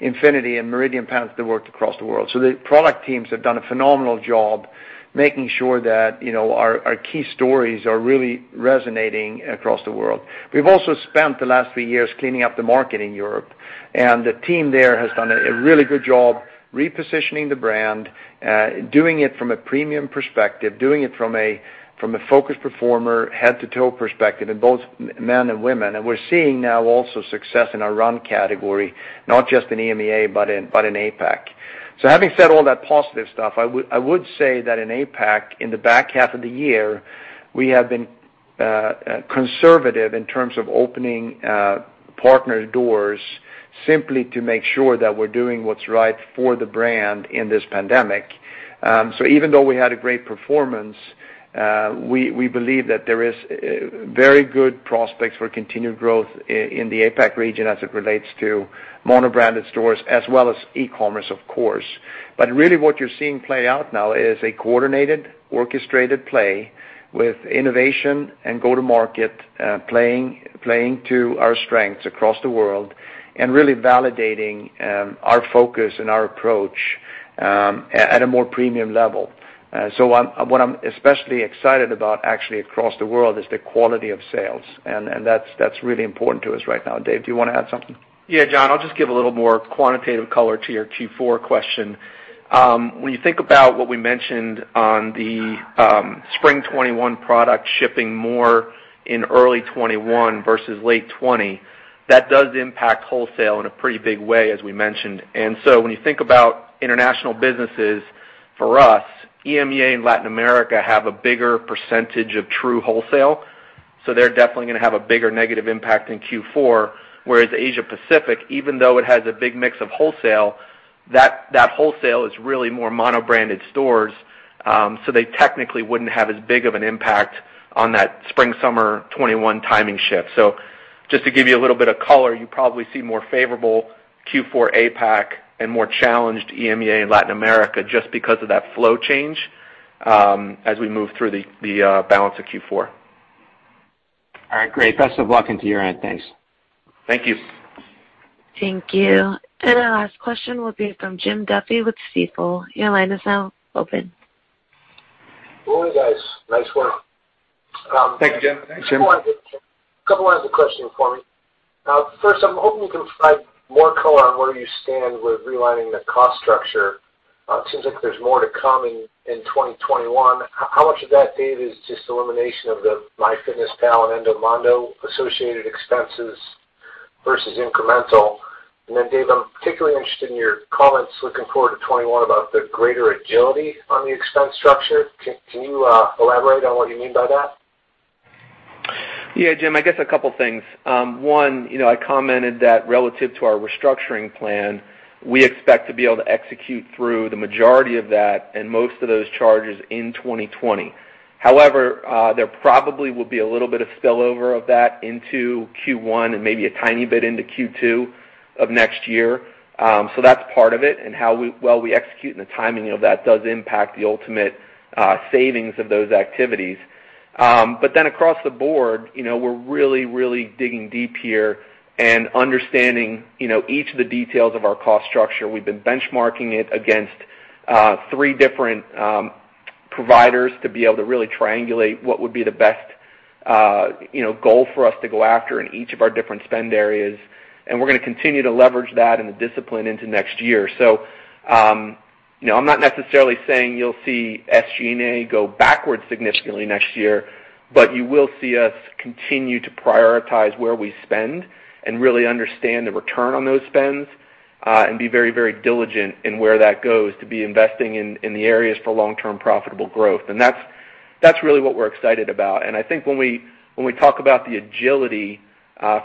Infinity and Meridian Pant worked across the world. The product teams have done a phenomenal job making sure that our key stories are really resonating across the world. We've also spent the last three years cleaning up the market in Europe, the team there has done a really good job repositioning the brand, doing it from a premium perspective, doing it from a focus performer, head to toe perspective in both men and women. We're seeing now also success in our run category, not just in EMEA, but in APAC. Having said all that positive stuff, I would say that in APAC, in the back half of the year, we have been conservative in terms of opening partner doors simply to make sure that we're doing what's right for the brand in this pandemic. Even though we had a great performance, we believe that there is very good prospects for continued growth in the APAC region as it relates to mono-branded stores as well as e-commerce, of course. Really what you're seeing play out now is a coordinated, orchestrated play with innovation and go to market, playing to our strengths across the world and really validating our focus and our approach at a more premium level. What I'm especially excited about actually across the world is the quality of sales, and that's really important to us right now. Dave, do you want to add something? John, I'll just give a little more quantitative color to your Q4 question. When you think about what we mentioned on the spring 2021 product shipping more in early 2021 versus late 2020, that does impact wholesale in a pretty big way, as we mentioned. When you think about international businesses for us, EMEA and Latin America have a bigger percentage of true wholesale. They're definitely going to have a bigger negative impact in Q4, whereas Asia Pacific, even though it has a big mix of wholesale, that wholesale is really more mono-branded stores. They technically wouldn't have as big of an impact on that spring summer 2021 timing shift. Just to give you a little bit of color, you probably see more favorable Q4 APAC and more challenged EMEA and Latin America just because of that flow change as we move through the balance of Q4. All right, great. Best of luck into year-end. Thanks. Thank you. Thank you. Our last question will be from Jim Duffy with Stifel. Your line is now open. Hello, guys. Nice work. Thank you, Jim. Thanks, Jim. Couple of other questions for me. First, I'm hoping you can provide more color on where you stand with realigning the cost structure. It seems like there's more to come in 2021. How much of that, Dave, is just elimination of the MyFitnessPal and Endomondo associated expenses versus incremental? Then, Dave, I'm particularly interested in your comments looking forward to 2021 about the greater agility on the expense structure. Can you elaborate on what you mean by that? Yeah, Jim, I guess a couple of things. One, I commented that relative to our restructuring plan, we expect to be able to execute through the majority of that and most of those charges in 2020. There probably will be a little bit of spillover of that into Q1 and maybe a tiny bit into Q2 of next year. That's part of it and how well we execute and the timing of that does impact the ultimate savings of those activities. Across the board, we're really, really digging deep here and understanding each of the details of our cost structure. We've been benchmarking it against three different providers to be able to really triangulate what would be the best goal for us to go after in each of our different spend areas. We're going to continue to leverage that and the discipline into next year. I'm not necessarily saying you'll see SG&A go backwards significantly next year, but you will see us continue to prioritize where we spend and really understand the return on those spends, and be very, very diligent in where that goes to be investing in the areas for long-term profitable growth. That's really what we're excited about. I think when we talk about the agility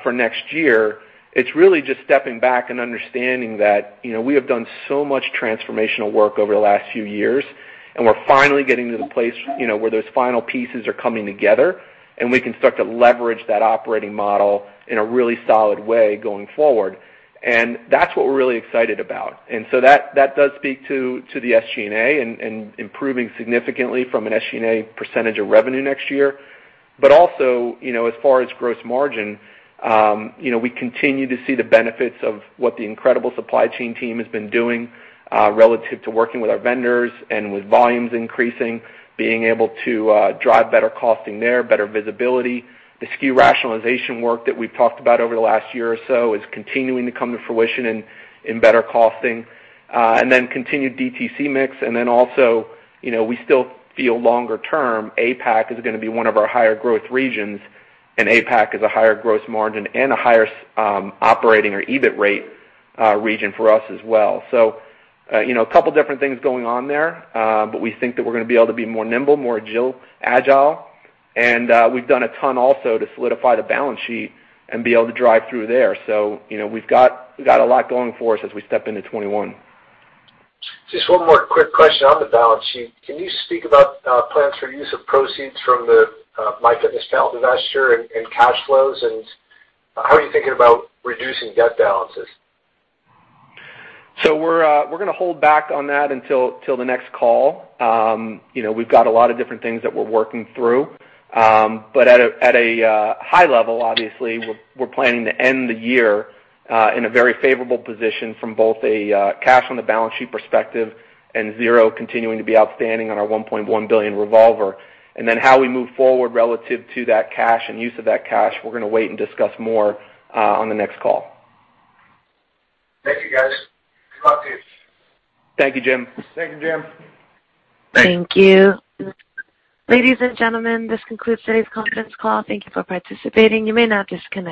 for next year, it's really just stepping back and understanding that we have done so much transformational work over the last few years, and we're finally getting to the place where those final pieces are coming together, and we can start to leverage that operating model in a really solid way going forward. That's what we're really excited about. That does speak to the SG&A and improving significantly from an SG&A % of revenue next year. As far as gross margin, we continue to see the benefits of what the incredible supply chain team has been doing relative to working with our vendors and with volumes increasing, being able to drive better costing there, better visibility. The SKU rationalization work that we've talked about over the last year or so is continuing to come to fruition in better costing. Continued DTC mix, and also, we still feel longer term, APAC is going to be one of our higher growth regions, and APAC is a higher gross margin and a higher operating or EBIT rate region for us as well. A couple of different things going on there, but we think that we're going to be able to be more nimble, more agile. We've done a ton also to solidify the balance sheet and be able to drive through there. We've got a lot going for us as we step into 2021. Just one more quick question on the balance sheet. Can you speak about plans for use of proceeds from the MyFitnessPal divestiture and cash flows, and how are you thinking about reducing debt balances? We're going to hold back on that until the next call. We've got a lot of different things that we're working through. At a high level, obviously, we're planning to end the year in a very favorable position from both a cash on the balance sheet perspective and zero continuing to be outstanding on our $1.1 billion revolver. How we move forward relative to that cash and use of that cash, we're going to wait and discuss more on the next call. Thank you, guys. Good luck to you. Thank you, Jim. Thank you, Jim. Thank you. Ladies and gentlemen, this concludes today's conference call. Thank you for participating. You may now disconnect.